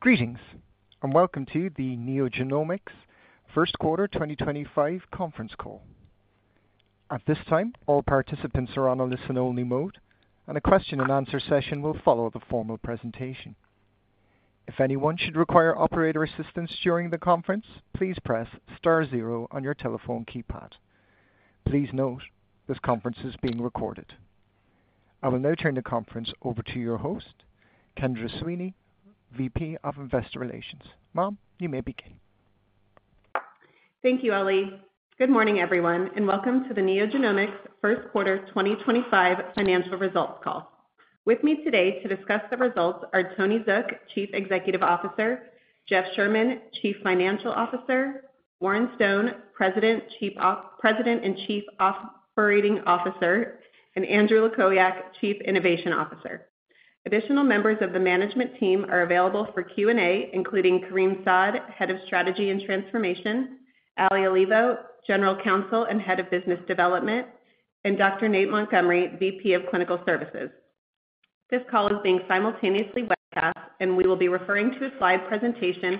Greetings, and welcome to the NeoGenomics First Quarter 2025 conference call. At this time, all participants are on a listen-only mode, and the question-and-answer session will follow the formal presentation. If anyone should require operator assistance during the conference, please press star zero on your telephone keypad. Please note this conference is being recorded. I will now turn the conference over to your host, Kendra Sweeney, VP of Investor Relations. Kendra, you may begin. Thank you, Ali. Good morning, everyone, and welcome to the NeoGenomics First Quarter 2025 financial results call. With me today to discuss the results are Tony Zook, Chief Executive Officer, Jeff Sherman, Chief Financial Officer, Warren Stone, President and Chief Operating Officer, and Andrew Lukowiak, Chief Innovation Officer. Additional members of the management team are available for Q&A, including Kareem Saad, Head of Strategy and Transformation, Ali Olivo, General Counsel and Head of Business Development, and Dr. Nate Montgomery, VP of Clinical Services. This call is being simultaneously webcast, and we will be referring to a slide presentation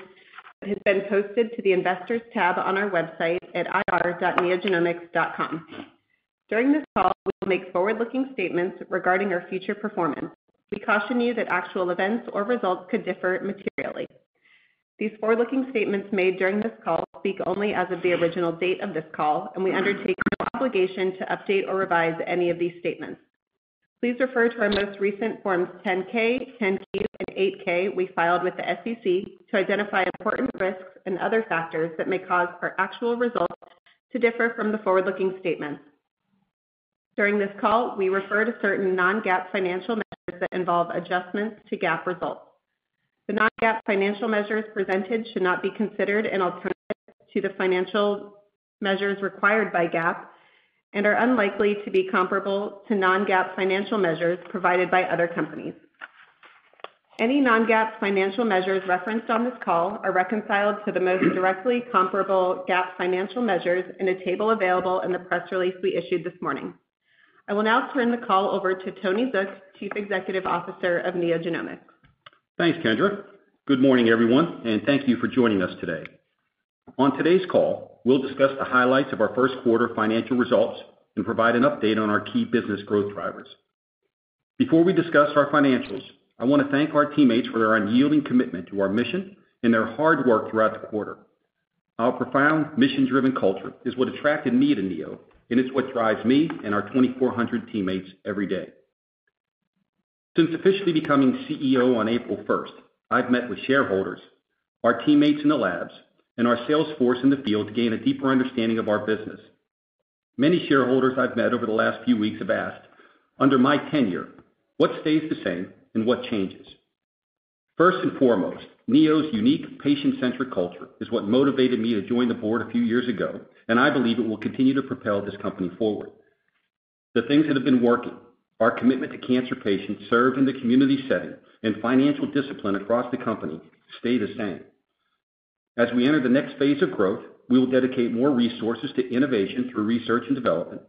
that has been posted to the Investors tab on our website at ir.neogenomics.com. During this call, we will make forward-looking statements regarding our future performance. We caution you that actual events or results could differ materially. These forward-looking statements made during this call speak only as of the original date of this call, and we undertake no obligation to update or revise any of these statements. Please refer to our most recent Forms 10-K, 10-Q, and 8-K we filed with the SEC to identify important risks and other factors that may cause our actual results to differ from the forward-looking statements. During this call, we refer to certain non-GAAP financial measures that involve adjustments to GAAP results. The non-GAAP financial measures presented should not be considered an alternative to the financial measures required by GAAP and are unlikely to be comparable to non-GAAP financial measures provided by other companies. Any non-GAAP financial measures referenced on this call are reconciled to the most directly comparable GAAP financial measures in a table available in the press release we issued this morning. I will now turn the call over to Tony Zook, Chief Executive Officer of NeoGenomics. Thanks, Kendra. Good morning, everyone, and thank you for joining us today. On today's call, we'll discuss the highlights of our first quarter financial results and provide an update on our key business growth drivers. Before we discuss our financials, I want to thank our teammates for their unyielding commitment to our mission and their hard work throughout the quarter. Our profound mission-driven culture is what attracted me to NeoGenomics, and it's what drives me and our 2,400 teammates every day. Since officially becoming CEO on April 1, I've met with shareholders, our teammates in the labs, and our sales force in the field to gain a deeper understanding of our business. Many shareholders I've met over the last few weeks have asked, under my tenure, what stays the same and what changes? First and foremost, Neo's unique, patient-centric culture is what motivated me to join the board a few years ago, and I believe it will continue to propel this company forward. The things that have been working, our commitment to cancer patients served in the community setting, and financial discipline across the company stay the same. As we enter the next phase of growth, we will dedicate more resources to innovation through research and development,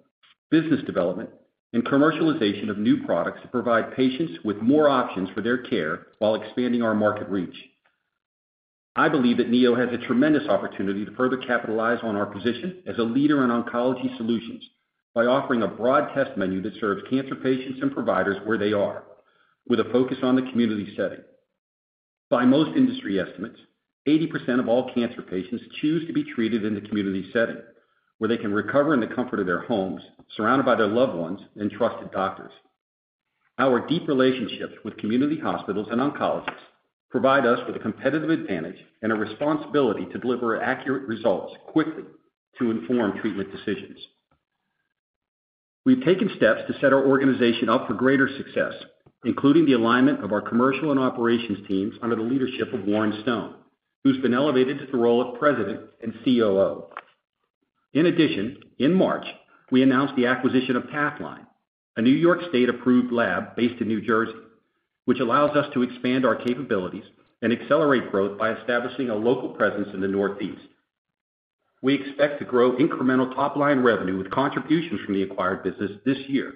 business development, and commercialization of new products to provide patients with more options for their care while expanding our market reach. I believe that Neo has a tremendous opportunity to further capitalize on our position as a leader in oncology solutions by offering a broad test menu that serves cancer patients and providers where they are, with a focus on the community setting. By most industry estimates, 80% of all cancer patients choose to be treated in the community setting, where they can recover in the comfort of their homes, surrounded by their loved ones and trusted doctors. Our deep relationships with community hospitals and oncologists provide us with a competitive advantage and a responsibility to deliver accurate results quickly to inform treatment decisions. We've taken steps to set our organization up for greater success, including the alignment of our commercial and operations teams under the leadership of Warren Stone, who's been elevated to the role of President and COO. In addition, in March, we announced the acquisition of Pathline, a New York State-approved lab based in New Jersey, which allows us to expand our capabilities and accelerate growth by establishing a local presence in the Northeast. We expect to grow incremental top-line revenue with contributions from the acquired business this year,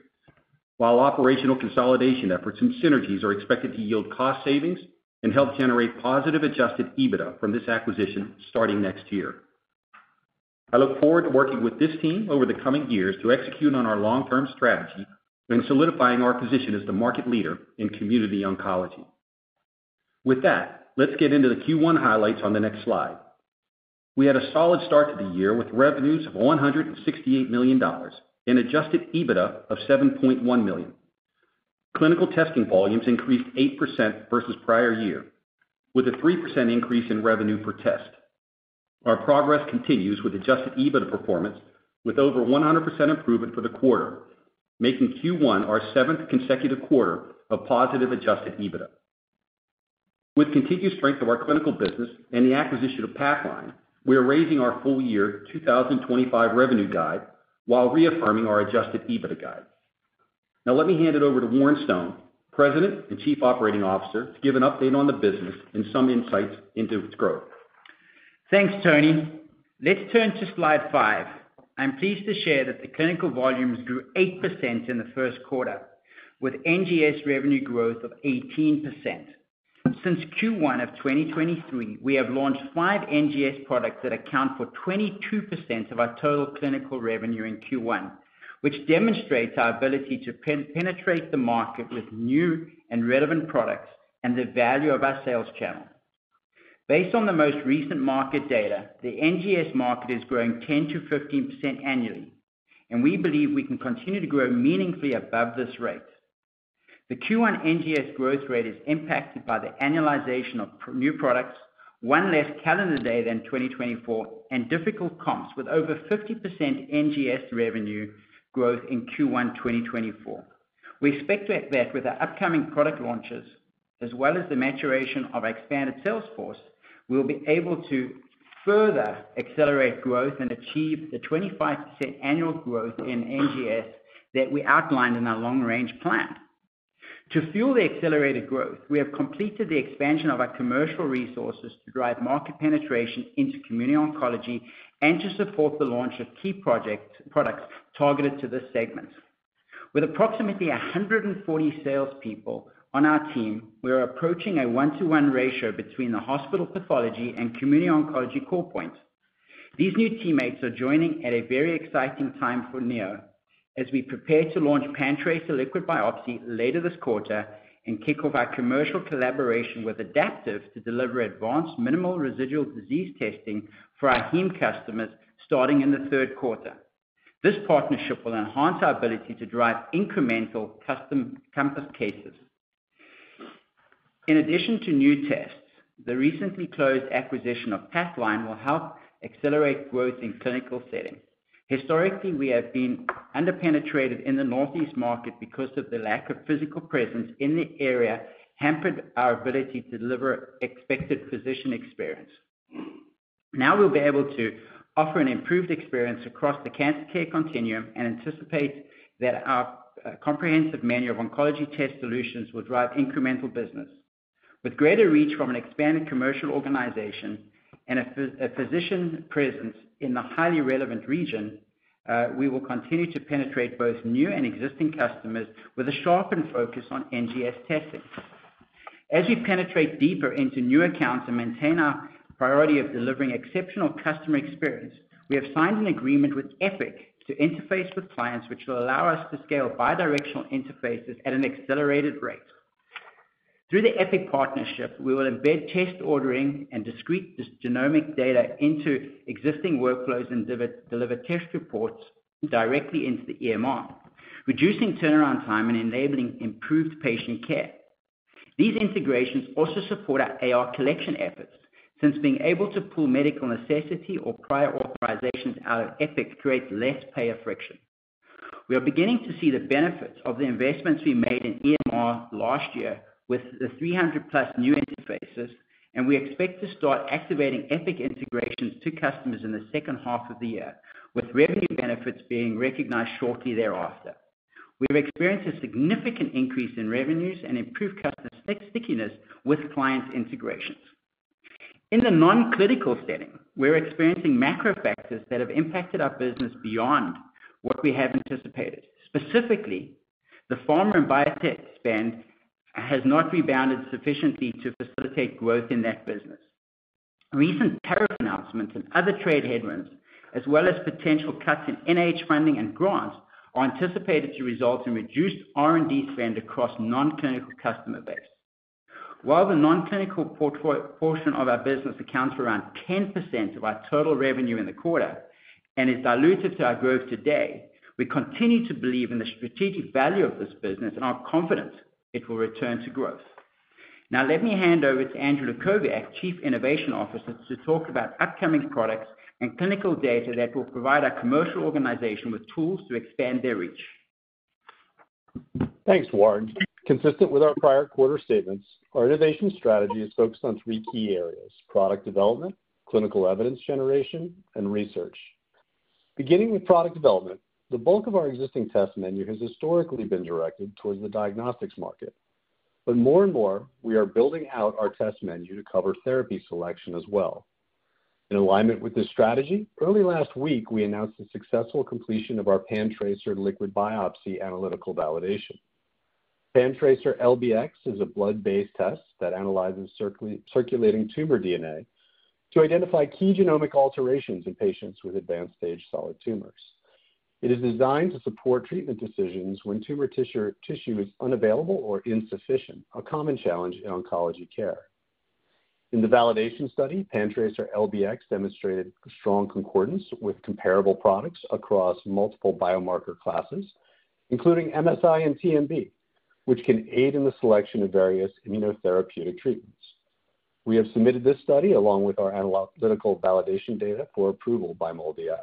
while operational consolidation efforts and synergies are expected to yield cost savings and help generate positive adjusted EBITDA from this acquisition starting next year. I look forward to working with this team over the coming years to execute on our long-term strategy and solidifying our position as the market leader in community oncology. With that, let's get into the Q1 highlights on the next slide. We had a solid start to the year with revenues of $168 million and adjusted EBITDA of $7.1 million. Clinical testing volumes increased 8% versus prior year, with a 3% increase in revenue per test. Our progress continues with adjusted EBITDA performance, with over 100% improvement for the quarter, making Q1 our seventh consecutive quarter of positive adjusted EBITDA. With continued strength of our clinical business and the acquisition of Pathline, we are raising our full-year 2025 revenue guide while reaffirming our adjusted EBITDA guide. Now, let me hand it over to Warren Stone, President and Chief Operating Officer, to give an update on the business and some insights into its growth. Thanks, Tony. Let's turn to slide five. I'm pleased to share that the clinical volumes grew 8% in the first quarter, with NGS revenue growth of 18%. Since Q1 of 2023, we have launched five NGS products that account for 22% of our total clinical revenue in Q1, which demonstrates our ability to penetrate the market with new and relevant products and the value of our sales channel. Based on the most recent market data, the NGS market is growing 10%-15% annually, and we believe we can continue to grow meaningfully above this rate. The Q1 NGS growth rate is impacted by the annualization of new products, one less calendar day than 2024, and difficult comps with over 50% NGS revenue growth in Q1 2024. We expect that with our upcoming product launches, as well as the maturation of our expanded sales force, we will be able to further accelerate growth and achieve the 25% annual growth in NGS that we outlined in our long-range plan. To fuel the accelerated growth, we have completed the expansion of our commercial resources to drive market penetration into community oncology and to support the launch of key products targeted to this segment. With approximately 140 salespeople on our team, we are approaching a one-to-one ratio between the hospital pathology and community oncology call points. These new teammates are joining at a very exciting time for NeoGenomics as we prepare to launch pancreas and liquid biopsy later this quarter and kick off our commercial collaboration with Adaptive to deliver advanced minimal residual disease testing for our heme customers starting in the third quarter. This partnership will enhance our ability to drive incremental custom Compass cases. In addition to new tests, the recently closed acquisition of Pathline will help accelerate growth in clinical settings. Historically, we have been underpenetrated in the Northeast market because the lack of physical presence in the area hampered our ability to deliver expected physician experience. Now, we'll be able to offer an improved experience across the cancer care continuum and anticipate that our comprehensive menu of oncology test solutions will drive incremental business. With greater reach from an expanded commercial organization and a physician presence in the highly relevant region, we will continue to penetrate both new and existing customers with a sharpened focus on NGS testing. As we penetrate deeper into new accounts and maintain our priority of delivering exceptional customer experience, we have signed an agreement with Epic to interface with clients, which will allow us to scale bidirectional interfaces at an accelerated rate. Through the Epic partnership, we will embed test ordering and discrete genomic data into existing workflows and deliver test reports directly into the EMR, reducing turnaround time and enabling improved patient care. These integrations also support our AR collection efforts, since being able to pull medical necessity or prior authorizations out of Epic creates less payer friction. We are beginning to see the benefits of the investments we made in EMR last year with the 300+ new interfaces, and we expect to start activating Epic integrations to customers in the second half of the year, with revenue benefits being recognized shortly thereafter. We have experienced a significant increase in revenues and improved customer stickiness with client integrations. In the non-clinical setting, we're experiencing macro factors that have impacted our business beyond what we have anticipated. Specifically, the pharma and biotech spend has not rebounded sufficiently to facilitate growth in that business. Recent tariff announcements and other trade headwinds, as well as potential cuts in NIH funding and grants, are anticipated to result in reduced R&D spend across non-clinical customer base. While the non-clinical portion of our business accounts for around 10% of our total revenue in the quarter and is diluted to our growth today, we continue to believe in the strategic value of this business and are confident it will return to growth. Now, let me hand over to Andrew Lukowiak, Chief Innovation Officer, to talk about upcoming products and clinical data that will provide our commercial organization with tools to expand their reach. Thanks, Warren. Consistent with our prior quarter statements, our innovation strategy is focused on three key areas: product development, clinical evidence generation, and research. Beginning with product development, the bulk of our existing test menu has historically been directed towards the diagnostics market, but more and more, we are building out our test menu to cover therapy selection as well. In alignment with this strategy, early last week, we announced the successful completion of our PanTracer LBx and liquid biopsy analytical validation. PanTracer LBx is a blood-based test that analyzes circulating tumor DNA to identify key genomic alterations in patients with advanced stage solid tumors. It is designed to support treatment decisions when tumor tissue is unavailable or insufficient, a common challenge in oncology care. In the validation study, PanTracer LBx demonstrated strong concordance with comparable products across multiple biomarker classes, including MSI and TMB, which can aid in the selection of various immunotherapeutic treatments. We have submitted this study along with our analytical validation data for approval by MolDX.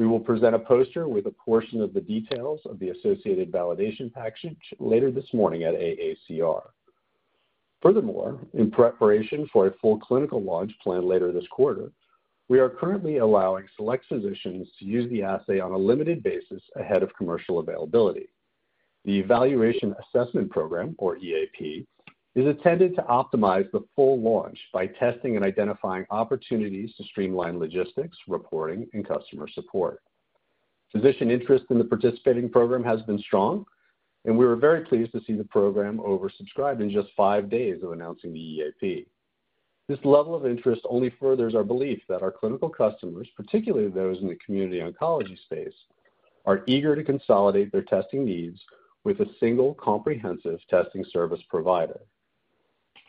We will present a poster with a portion of the details of the associated validation package later this morning at AACR. Furthermore, in preparation for a full clinical launch planned later this quarter, we are currently allowing select physicians to use the assay on a limited basis ahead of commercial availability. The Evaluation Assessment Program, or EAP, is intended to optimize the full launch by testing and identifying opportunities to streamline logistics, reporting, and customer support. Physician interest in the participating program has been strong, and we were very pleased to see the program oversubscribed in just five days of announcing the EAP. This level of interest only furthers our belief that our clinical customers, particularly those in the community oncology space, are eager to consolidate their testing needs with a single comprehensive testing service provider.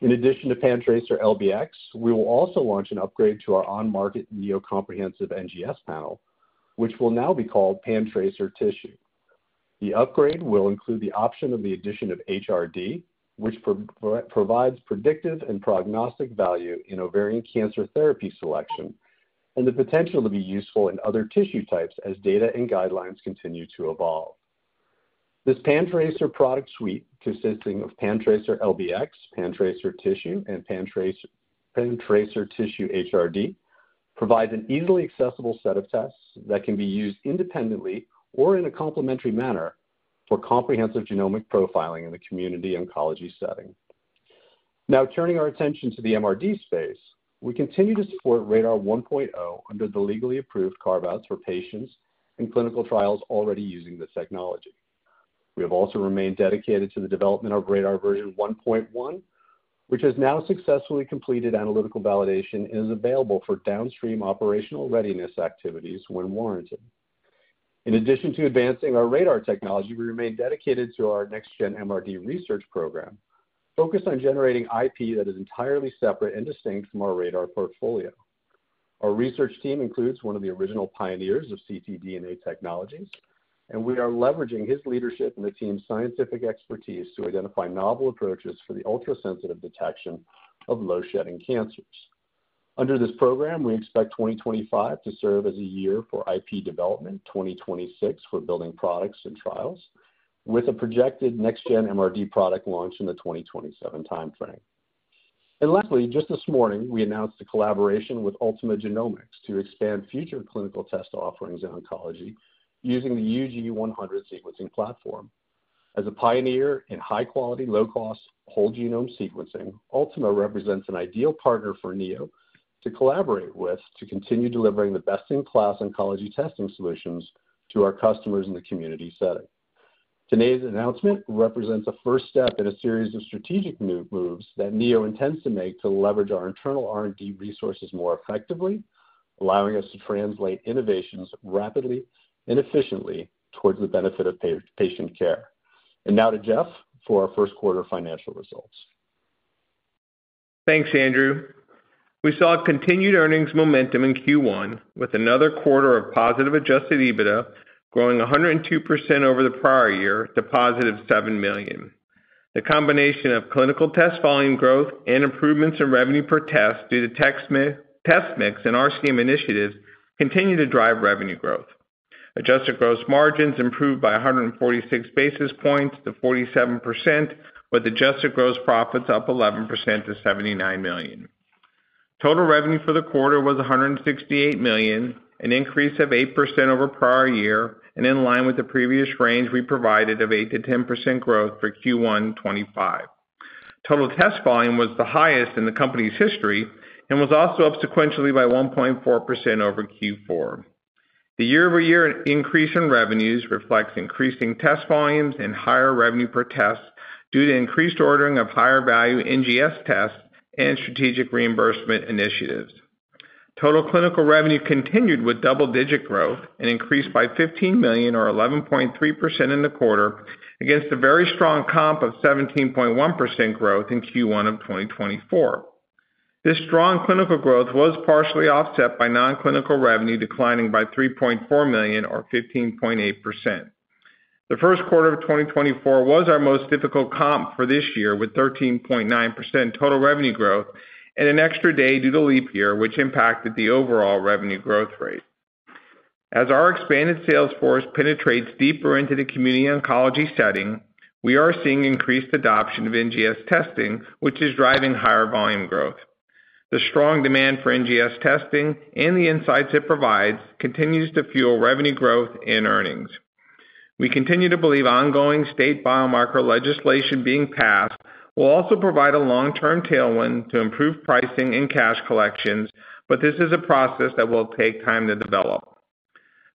In addition to PanTracer LBx, we will also launch an upgrade to our on-market NeoComprehensive NGS panel, which will now be called PanTracer Tissue. The upgrade will include the option of the addition of HRD, which provides predictive and prognostic value in ovarian cancer therapy selection, and the potential to be useful in other tissue types as data and guidelines continue to evolve. This PanTracer product suite, consisting of PanTracer LBx, PanTracer Tissue, and PanTracer Tissue HRD, provides an easily accessible set of tests that can be used independently or in a complementary manner for comprehensive genomic profiling in the community oncology setting. Now, turning our attention to the MRD space, we continue to support RaDaR 1.0 under the legally approved carve-outs for patients and clinical trials already using the technology. We have also remained dedicated to the development of RaDaR 1.1, which has now successfully completed analytical validation and is available for downstream operational readiness activities when warranted. In addition to advancing our RaDaR technology, we remain dedicated to our next-gen MRD research program, focused on generating IP that is entirely separate and distinct from our RaDaR portfolio. Our research team includes one of the original pioneers of ctDNA technologies, and we are leveraging his leadership and the team's scientific expertise to identify novel approaches for the ultra-sensitive detection of low-shedding cancers. Under this program, we expect 2025 to serve as a year for IP development, 2026 for building products and trials, with a projected next-gen MRD product launch in the 2027 timeframe. Lastly, just this morning, we announced a collaboration with Ultima Genomics to expand future clinical test offerings in oncology using the UG100 sequencing platform. As a pioneer in high-quality, low-cost whole genome sequencing, Ultima represents an ideal partner for Neo to collaborate with to continue delivering the best-in-class oncology testing solutions to our customers in the community setting. Today's announcement represents a first step in a series of strategic moves that Neo intends to make to leverage our internal R&D resources more effectively, allowing us to translate innovations rapidly and efficiently towards the benefit of patient care. Now to Jeff for our first quarter financial results. Thanks, Andrew. We saw continued earnings momentum in Q1, with another quarter of positive adjusted EBITDA growing 102% over the prior year to positive $7 million. The combination of clinical test volume growth and improvements in revenue per test due to test mix and RCM initiatives continue to drive revenue growth. Adjusted gross margins improved by 146 basis points to 47%, with adjusted gross profits up 11% to $79 million. Total revenue for the quarter was $168 million, an increase of 8% over prior year, and in line with the previous range we provided of 8%-10% growth for Q1 2025. Total test volume was the highest in the company's history and was also up sequentially by 1.4% over Q4. The year-over-year increase in revenues reflects increasing test volumes and higher revenue per test due to increased ordering of higher-value NGS tests and strategic reimbursement initiatives. Total clinical revenue continued with double-digit growth and increased by $15 million, or 11.3%, in the quarter, against a very strong comp of 17.1% growth in Q1 of 2024. This strong clinical growth was partially offset by non-clinical revenue declining by $3.4 million, or 15.8%. The first quarter of 2024 was our most difficult comp for this year, with 13.9% total revenue growth and an extra day due to leap year, which impacted the overall revenue growth rate. As our expanded sales force penetrates deeper into the community oncology setting, we are seeing increased adoption of NGS testing, which is driving higher volume growth. The strong demand for NGS testing and the insights it provides continues to fuel revenue growth and earnings. We continue to believe ongoing state biomarker legislation being passed will also provide a long-term tailwind to improve pricing and cash collections, but this is a process that will take time to develop.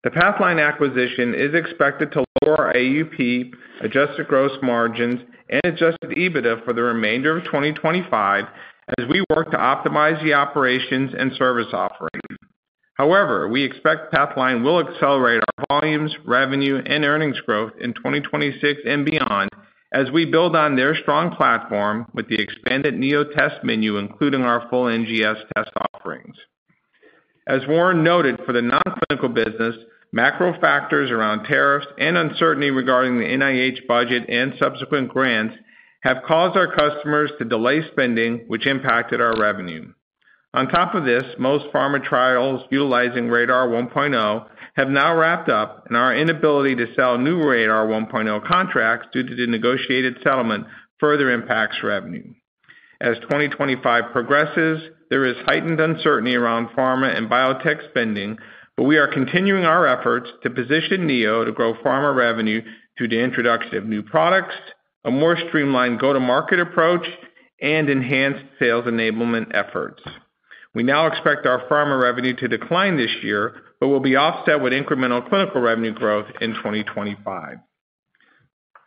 The Pathline acquisition is expected to lower our AUP, adjusted gross margins, and adjusted EBITDA for the remainder of 2025 as we work to optimize the operations and service offering. However, we expect Pathline will accelerate our volumes, revenue, and earnings growth in 2026 and beyond as we build on their strong platform with the expanded Neo test menu, including our full NGS test offerings. As Warren noted, for the non-clinical business, macro factors around tariffs and uncertainty regarding the NIH budget and subsequent grants have caused our customers to delay spending, which impacted our revenue. On top of this, most pharma trials utilizing RaDaR 1.0 have now wrapped up, and our inability to sell new RaDaR 1.0 contracts due to the negotiated settlement further impacts revenue. As 2025 progresses, there is heightened uncertainty around pharma and biotech spending, but we are continuing our efforts to position Neo to grow pharma revenue through the introduction of new products, a more streamlined go-to-market approach, and enhanced sales enablement efforts. We now expect our pharma revenue to decline this year, but will be offset with incremental clinical revenue growth in 2025.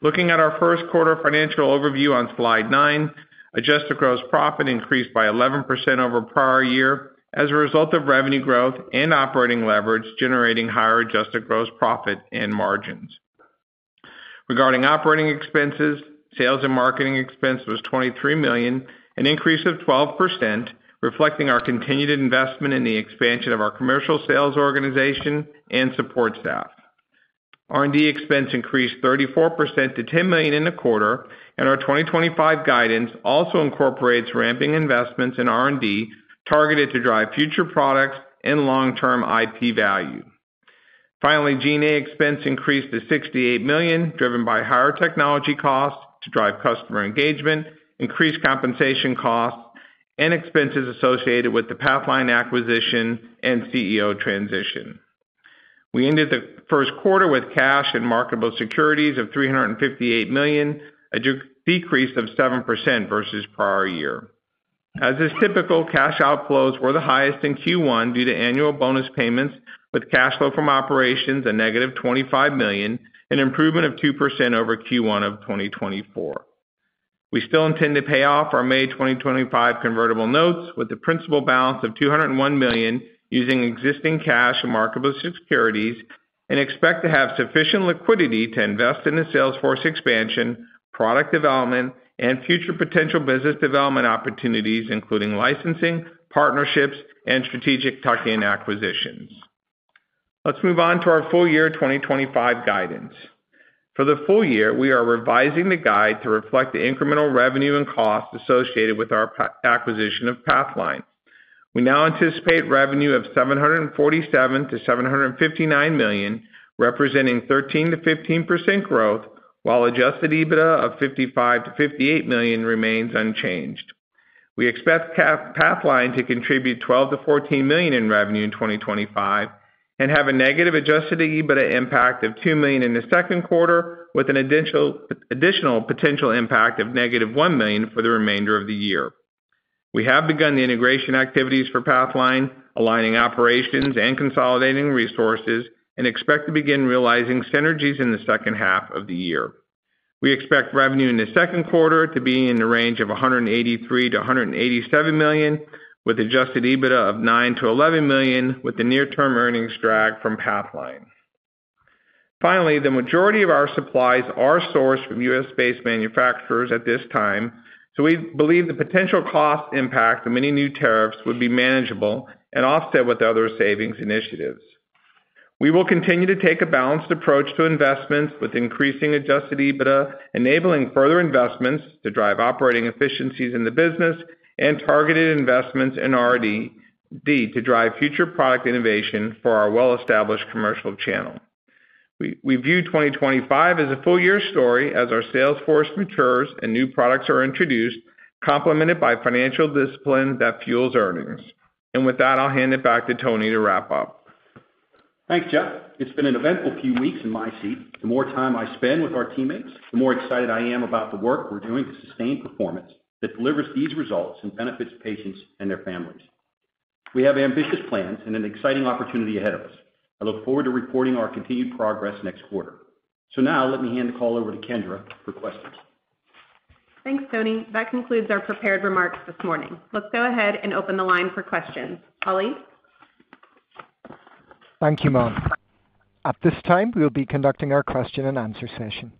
Looking at our first quarter financial overview on slide nine, adjusted gross profit increased by 11% over prior year as a result of revenue growth and operating leverage generating higher adjusted gross profit and margins. Regarding operating expenses, sales and marketing expense was $23 million, an increase of 12%, reflecting our continued investment in the expansion of our commercial sales organization and support staff. R&D expense increased 34% to $10 million in the quarter, and our 2025 guidance also incorporates ramping investments in R&D targeted to drive future products and long-term IP value. Finally, G&A expense increased to $68 million, driven by higher technology costs to drive customer engagement, increased compensation costs, and expenses associated with the Pathline acquisition and CEO transition. We ended the first quarter with cash and marketable securities of $358 million, a decrease of 7% versus prior year. As is typical, cash outflows were the highest in Q1 due to annual bonus payments, with cash flow from operations a negative $25 million and improvement of 2% over Q1 of 2024. We still intend to pay off our May 2025 convertible notes with a principal balance of $201 million using existing cash and marketable securities and expect to have sufficient liquidity to invest in the sales force expansion, product development, and future potential business development opportunities, including licensing, partnerships, and strategic tuck-in acquisitions. Let's move on to our full year 2025 guidance. For the full year, we are revising the guide to reflect the incremental revenue and costs associated with our acquisition of Pathline. We now anticipate revenue of $747 million-$759 million, representing 13%-15% growth, while adjusted EBITDA of $55 million-$58 million remains unchanged. We expect Pathline to contribute $12 million-$14 million in revenue in 2025 and have a negative adjusted EBITDA impact of $2 million in the second quarter, with an additional potential impact of negative $1 million for the remainder of the year. We have begun the integration activities for Pathline, aligning operations and consolidating resources, and expect to begin realizing synergies in the second half of the year. We expect revenue in the second quarter to be in the range of $183 million-$187 million, with adjusted EBITDA of $9 million-$11 million, with the near-term earnings drag from Pathline. Finally, the majority of our supplies are sourced from U.S.-based manufacturers at this time, so we believe the potential cost impact of many new tariffs would be manageable and offset with other savings initiatives. We will continue to take a balanced approach to investments, with increasing adjusted EBITDA, enabling further investments to drive operating efficiencies in the business, and targeted investments in R&D to drive future product innovation for our well-established commercial channel. We view 2025 as a full year story as our sales force matures and new products are introduced, complemented by financial discipline that fuels earnings. With that, I'll hand it back to Tony to wrap up. Thanks, Jeff. It's been an eventful few weeks in my seat. The more time I spend with our teammates, the more excited I am about the work we're doing to sustain performance that delivers these results and benefits patients and their families. We have ambitious plans and an exciting opportunity ahead of us. I look forward to reporting our continued progress next quarter. Now, let me hand the call over to Kendra for questions. Thanks, Tony. That concludes our prepared remarks this morning. Let's go ahead and open the line for questions. Ali? Thank you, Ma'am. At this time, we'll be conducting our question-and-answer session.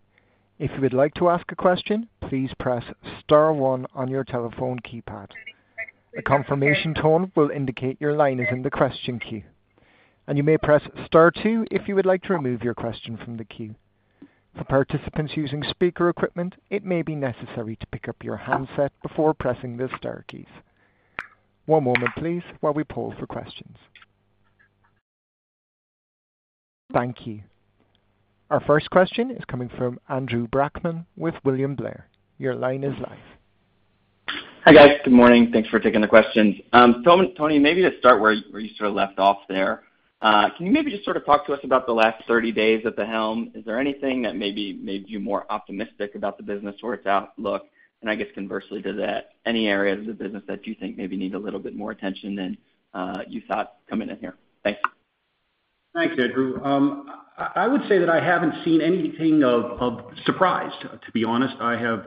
If you would like to ask a question, please press star one on your telephone keypad. The confirmation tone will indicate your line is in the question queue, and you may press star two if you would like to remove your question from the queue. For participants using speaker equipment, it may be necessary to pick up your handset before pressing the star keys. One moment, please, while we poll for questions. Thank you. Our first question is coming from Andrew Brackmann with William Blair. Your line is live. Hi, guys. Good morning. Thanks for taking the questions. Tony, maybe to start where you sort of left off there, can you maybe just sort of talk to us about the last 30 days at the helm? Is there anything that maybe made you more optimistic about the business or its outlook? I guess conversely to that, any areas of the business that you think maybe need a little bit more attention than you thought coming in here? Thanks. Thanks, Andrew. I would say that I haven't seen anything of surprise, to be honest. I have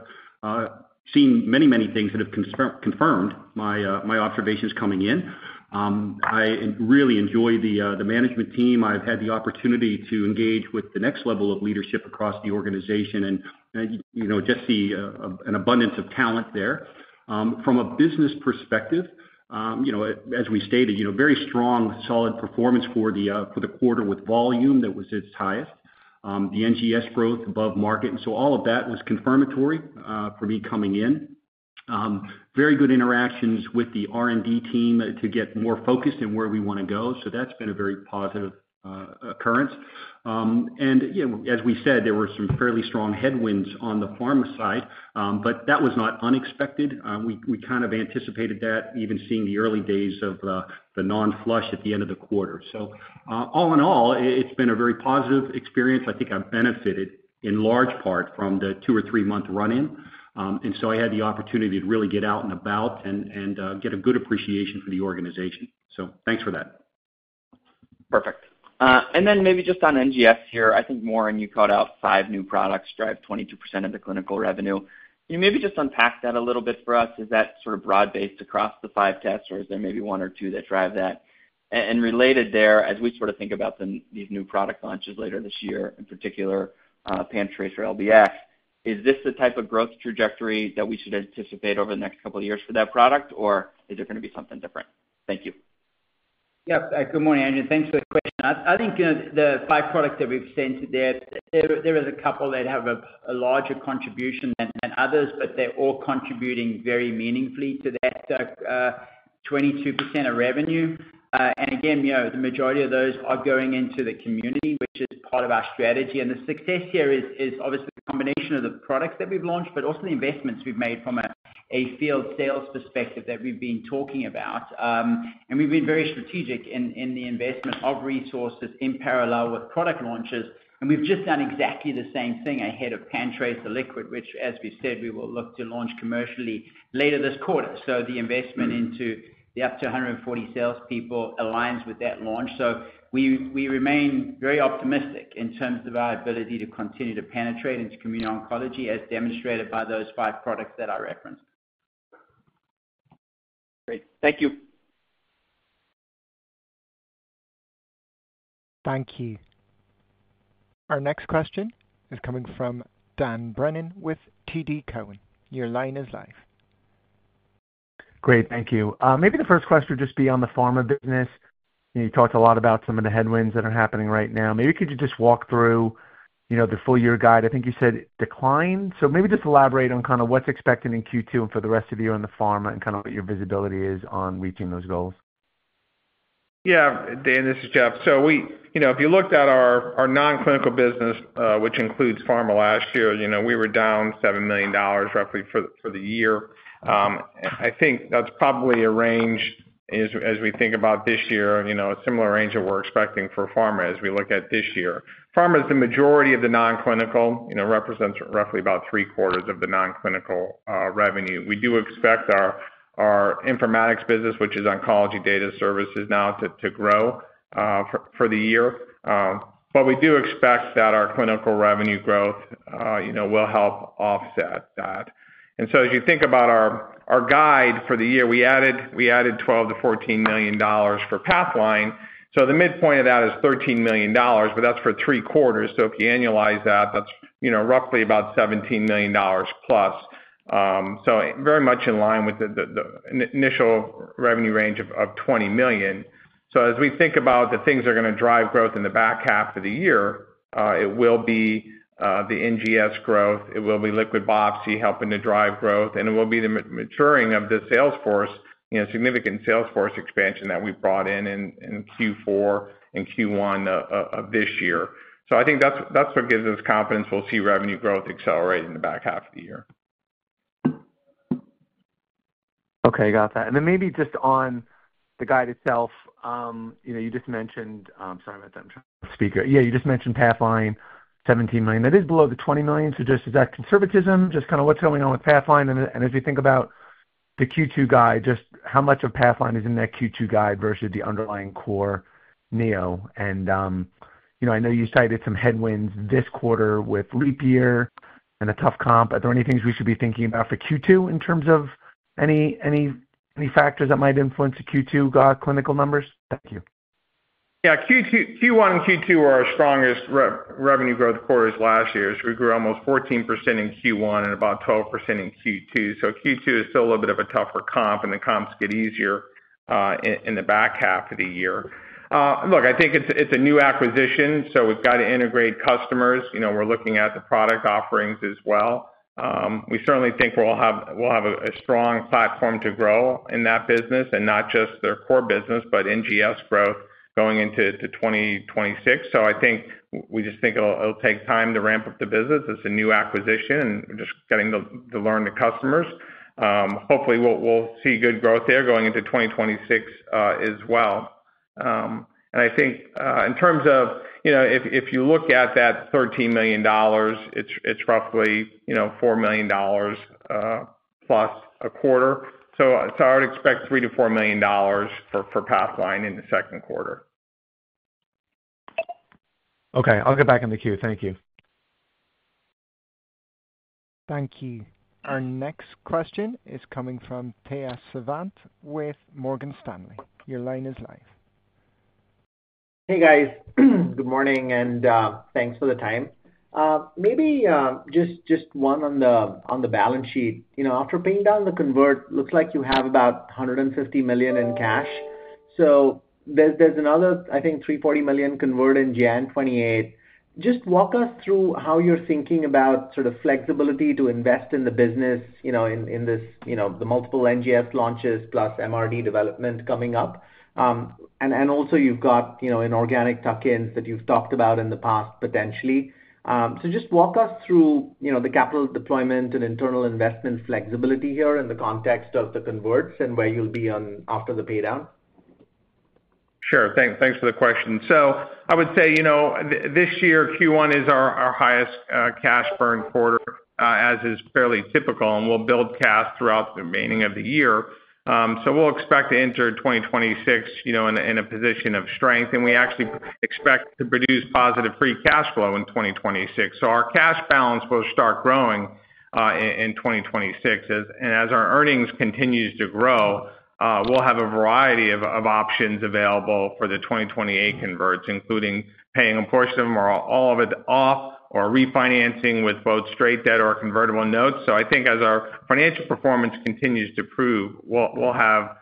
seen many, many things that have confirmed my observations coming in. I really enjoy the management team. I've had the opportunity to engage with the next level of leadership across the organization, and just see an abundance of talent there. From a business perspective, as we stated, very strong, solid performance for the quarter with volume that was its highest, the NGS growth above market. All of that was confirmatory for me coming in. Very good interactions with the R&D team to get more focused in where we want to go. That's been a very positive occurrence. As we said, there were some fairly strong headwinds on the pharma side, but that was not unexpected. We kind of anticipated that, even seeing the early days of the non-flush at the end of the quarter. All in all, it's been a very positive experience. I think I've benefited in large part from the two or three-month run-in. I had the opportunity to really get out and about and get a good appreciation for the organization. Thanks for that. Perfect. Maybe just on NGS here, I think Warren, you called out five new products drive 22% of the clinical revenue. Can you maybe just unpack that a little bit for us? Is that sort of broad-based across the five tests, or is there maybe one or two that drive that? Related there, as we sort of think about these new product launches later this year, in particular, PanTracer LBx, is this the type of growth trajectory that we should anticipate over the next couple of years for that product, or is there going to be something different? Thank you. Yep. Good morning, Andrew. Thanks for the question. I think the five products that we've sent today, there are a couple that have a larger contribution than others, but they're all contributing very meaningfully to that 22% of revenue. Again, the majority of those are going into the community, which is part of our strategy. The success here is obviously the combination of the products that we've launched, but also the investments we've made from a field sales perspective that we've been talking about. We've been very strategic in the investment of resources in parallel with product launches. We've just done exactly the same thing ahead of PanTracer LBx or Liquid, which, as we said, we will look to launch commercially later this quarter. The investment into the up to 140 salespeople aligns with that launch. We remain very optimistic in terms of our ability to continue to penetrate into community oncology, as demonstrated by those five products that I referenced. Great. Thank you. Thank you. Our next question is coming from Dan Brennan with TD Cowen. Your line is live. Great. Thank you. Maybe the first question would just be on the pharma business. You talked a lot about some of the headwinds that are happening right now. Maybe could you just walk through the full year guide? I think you said decline. Maybe just elaborate on kind of what's expected in Q2 and for the rest of the year on the pharma and kind of what your visibility is on reaching those goals. Yeah. Dan, this is Jeff. If you looked at our non-clinical business, which includes pharma last year, we were down $7 million roughly for the year. I think that's probably a range, as we think about this year, a similar range that we're expecting for pharma as we look at this year. Pharma, the majority of the non-clinical, represents roughly about three-quarters of the non-clinical revenue. We do expect our informatics business, which is oncology data services, now to grow for the year. We do expect that our clinical revenue growth will help offset that. As you think about our guide for the year, we added $12 million-$14 million for Pathline. The midpoint of that is $13 million, but that's for three quarters. If you annualize that, that's roughly about $17 million plus. Very much in line with the initial revenue range of $20 million. As we think about the things that are going to drive growth in the back half of the year, it will be the NGS growth. It will be liquid biopsy helping to drive growth, and it will be the maturing of the sales force, significant sales force expansion that we brought in in Q4 and Q1 of this year. I think that's what gives us confidence. We'll see revenue growth accelerate in the back half of the year. Okay. Got that. Maybe just on the guide itself, you just mentioned—sorry about that. I'm trying to speak here. Yeah. You just mentioned Pathline, $17 million. That is below the $20 million. Is that conservatism? Just kind of what's going on with Pathline? As we think about the Q2 guide, just how much of Pathline is in that Q2 guide versus the underlying core NEO? I know you cited some headwinds this quarter with leap year and a tough comp. Are there any things we should be thinking about for Q2 in terms of any factors that might influence the Q2 clinical numbers? Thank you. Yeah. Q1 and Q2 were our strongest revenue growth quarters last year. We grew almost 14% in Q1 and about 12% in Q2. Q2 is still a little bit of a tougher comp, and the comps get easier in the back half of the year. Look, I think it's a new acquisition, so we've got to integrate customers. We're looking at the product offerings as well. We certainly think we'll have a strong platform to grow in that business and not just their core business, but NGS growth going into 2026. I think we just think it'll take time to ramp up the business. It's a new acquisition, and we're just getting to learn the customers. Hopefully, we'll see good growth there going into 2026 as well. I think in terms of if you look at that $13 million, it's roughly $4 million plus a quarter. I would expect $3 million to $4 million for Pathline in the second quarter. Okay. I'll get back in the queue. Thank you. Thank you. Our next question is coming from Tejas Savant with Morgan Stanley. Your line is live. Hey, guys. Good morning, and thanks for the time. Maybe just one on the balance sheet. After paying down the convert, it looks like you have about $150 million in cash. There's another, I think, $340 million convert in January 2028. Just walk us through how you're thinking about sort of flexibility to invest in the business in the multiple NGS launches plus MRD development coming up. Also, you've got inorganic tuck-ins that you've talked about in the past, potentially. Just walk us through the capital deployment and internal investment flexibility here in the context of the converts and where you'll be on after the paydown. Sure. Thanks for the question. I would say this year, Q1 is our highest cash burn quarter, as is fairly typical, and we'll build cash throughout the remaining of the year. We'll expect to enter 2026 in a position of strength. We actually expect to produce positive free cash flow in 2026. Our cash balance will start growing in 2026. As our earnings continue to grow, we'll have a variety of options available for the 2028 converts, including paying a portion of them or all of it off or refinancing with both straight debt or convertible notes. I think as our financial performance continues to prove, we'll have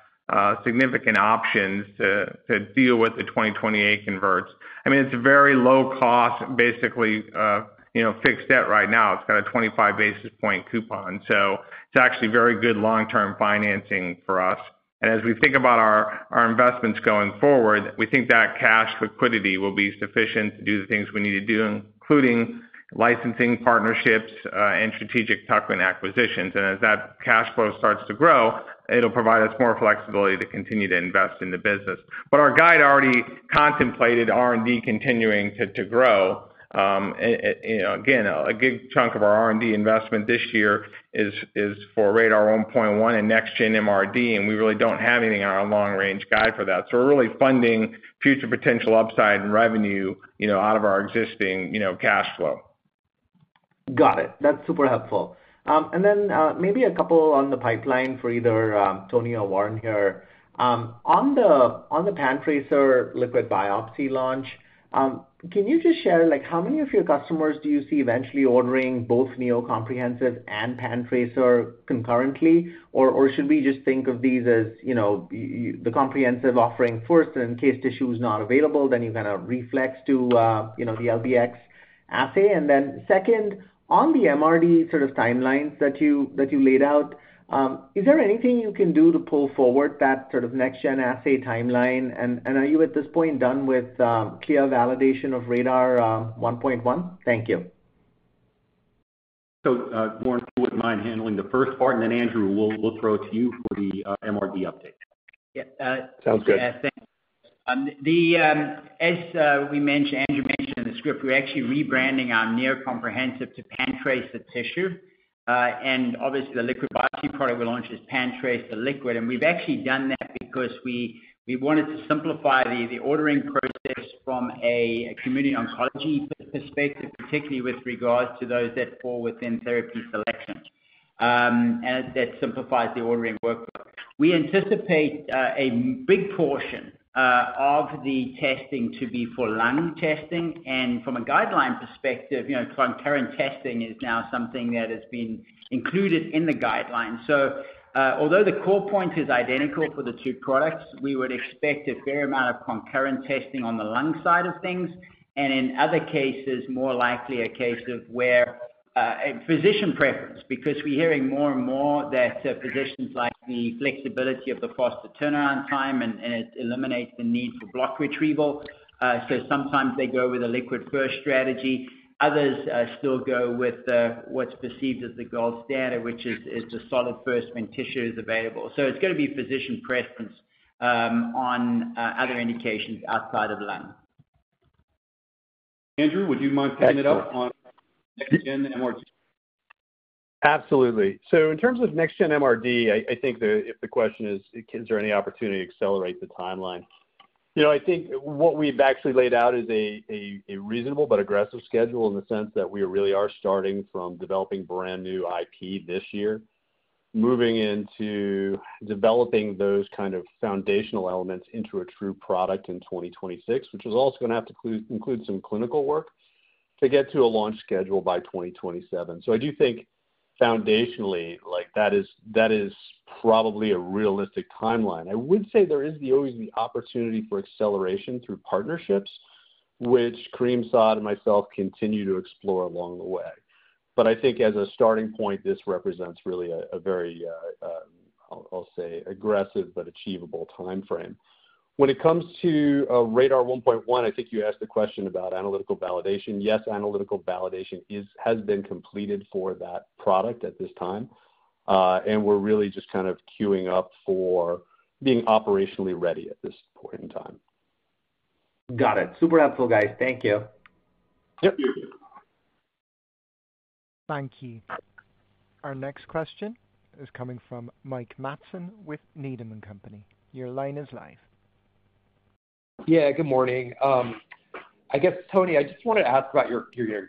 significant options to deal with the 2028 converts. I mean, it's very low cost, basically fixed debt right now. It's got a 25 basis point coupon. It's actually very good long-term financing for us. As we think about our investments going forward, we think that cash liquidity will be sufficient to do the things we need to do, including licensing partnerships and strategic tuck-in acquisitions. As that cash flow starts to grow, it'll provide us more flexibility to continue to invest in the business. Our guide already contemplated R&D continuing to grow. Again, a good chunk of our R&D investment this year is for RaDaR 1.1 and next-gen MRD, and we really don't have anything on our long-range guide for that. We are really funding future potential upside and revenue out of our existing cash flow. Got it. That's super helpful. Maybe a couple on the pipeline for either Tony or Warren here. On the PanTracer or liquid biopsy launch, can you just share how many of your customers do you see eventually ordering both NeoComprehensive and PanTracer concurrently? Should we just think of these as the comprehensive offering first, and in case tissue is not available, then you kind of reflex to the LBx assay? Second, on the MRD sort of timelines that you laid out, is there anything you can do to pull forward that sort of Next-Generation assay timeline? Are you at this point done with clear validation of RaDaR 1.1? Thank you. Warren, if you wouldn't mind handling the first part, and then Andrew, we'll throw it to you for the MRD update. Yeah. Sounds good. Thanks. As Andrew mentioned in the script, we're actually rebranding our NeoComprehensive to PanTracer Tissue. Obviously, the liquid biopsy product we launched is PanTracer LBx. We've actually done that because we wanted to simplify the ordering process from a community oncology perspective, particularly with regards to those that fall within therapy selection. That simplifies the ordering workflow. We anticipate a big portion of the testing to be for lung testing. From a guideline perspective, concurrent testing is now something that has been included in the guideline. Although the core point is identical for the two products, we would expect a fair amount of concurrent testing on the lung side of things. In other cases, more likely a case of where physician preference, because we're hearing more and more that physicians like the flexibility of the faster turnaround time, and it eliminates the need for block retrieval. Sometimes they go with a liquid first strategy. Others still go with what's perceived as the gold standard, which is the solid first when tissue is available. It's going to be physician preference on other indications outside of lung. Andrew, would you mind picking it up on next-gen MRD? Absolutely. In terms of next-gen MRD, I think if the question is, is there any opportunity to accelerate the timeline? I think what we've actually laid out is a reasonable but aggressive schedule in the sense that we really are starting from developing brand new IP this year, moving into developing those kind of foundational elements into a true product in 2026, which is also going to have to include some clinical work to get to a launch schedule by 2027. I do think foundationally, that is probably a realistic timeline. I would say there is always the opportunity for acceleration through partnerships, which Kareem Saad and myself continue to explore along the way. I think as a starting point, this represents really a very, I'll say, aggressive but achievable timeframe. When it comes to RaDaR 1.1, I think you asked the question about analytical validation. Yes, analytical validation has been completed for that product at this time. We are really just kind of queuing up for being operationally ready at this point in time. Got it. Super helpful, guys. Thank you. Yep. Thank you. Our next question is coming from Mike Matson with Needham & Company. Your line is live. Yeah. Good morning. I guess, Tony, I just wanted to ask about your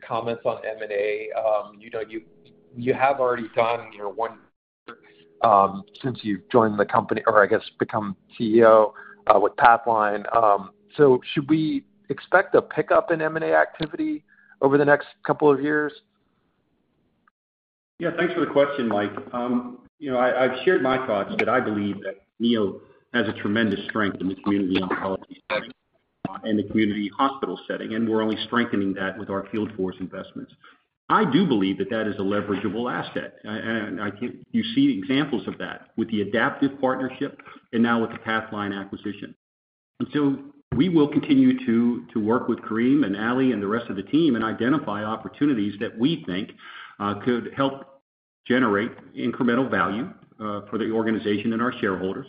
comments on M&A. You have already done one since you've joined the company or, I guess, become CEO with Pathline. Should we expect a pickup in M&A activity over the next couple of years? Yeah. Thanks for the question, Mike. I've shared my thoughts that I believe that Neo has a tremendous strength in the community oncology setting and the community hospital setting. We are only strengthening that with our field force investments. I do believe that that is a leverageable asset. You see examples of that with the Adaptive partnership and now with the Pathline acquisition. We will continue to work with Kareem and Ali and the rest of the team and identify opportunities that we think could help generate incremental value for the organization and our shareholders.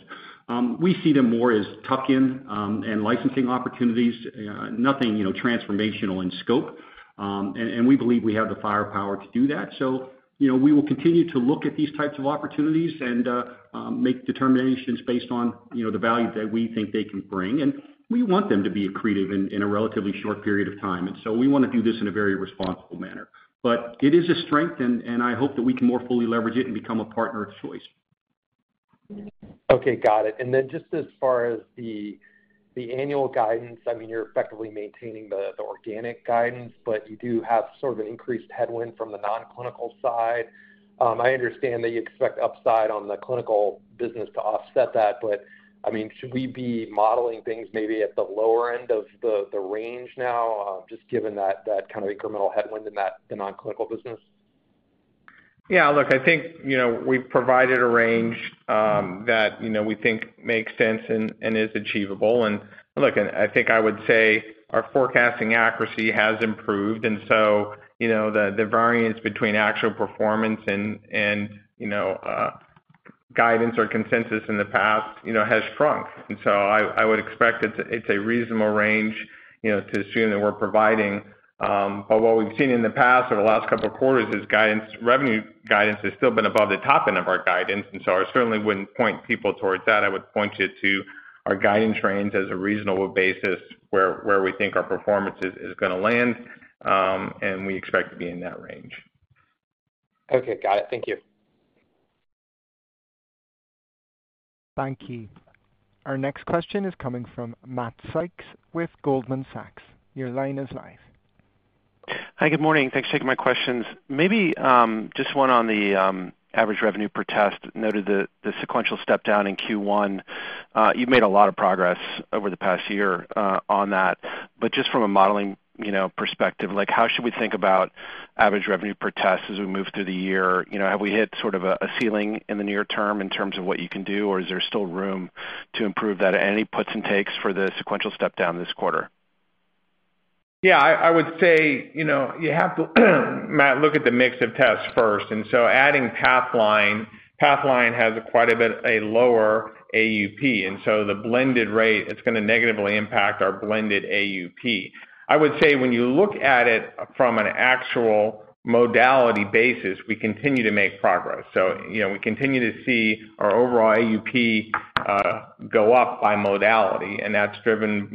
We see them more as tuck-in and licensing opportunities, nothing transformational in scope. We believe we have the firepower to do that. We will continue to look at these types of opportunities and make determinations based on the value that we think they can bring. We want them to be accretive in a relatively short period of time. We want to do this in a very responsible manner. It is a strength, and I hope that we can more fully leverage it and become a partner of choice. Okay. Got it. And then just as far as the annual guidance, I mean, you're effectively maintaining the organic guidance, but you do have sort of an increased headwind from the non-clinical side. I understand that you expect upside on the clinical business to offset that. I mean, should we be modeling things maybe at the lower end of the range now, just given that kind of incremental headwind in the non-clinical business? Yeah. Look, I think we've provided a range that we think makes sense and is achievable. Look, I think I would say our forecasting accuracy has improved. The variance between actual performance and guidance or consensus in the past has shrunk. I would expect it's a reasonable range to assume that we're providing. What we've seen in the past over the last couple of quarters is revenue guidance has still been above the top end of our guidance. I certainly wouldn't point people towards that. I would point you to our guidance range as a reasonable basis where we think our performance is going to land. We expect to be in that range. Okay. Got it. Thank you. Thank you. Our next question is coming from Matt Sykes with Goldman Sachs. Your line is live. Hi. Good morning. Thanks for taking my questions. Maybe just one on the average revenue per test. Noted the sequential step-down in Q1. You've made a lot of progress over the past year on that. Just from a modeling perspective, how should we think about average revenue per test as we move through the year? Have we hit sort of a ceiling in the near term in terms of what you can do, or is there still room to improve that? Any puts and takes for the sequential step-down this quarter? Yeah. I would say you have to, Matt, look at the mix of tests first. Adding Pathline, Pathline has quite a bit of a lower AUP. The blended rate, it's going to negatively impact our blended AUP. I would say when you look at it from an actual modality basis, we continue to make progress. We continue to see our overall AUP go up by modality. That's driven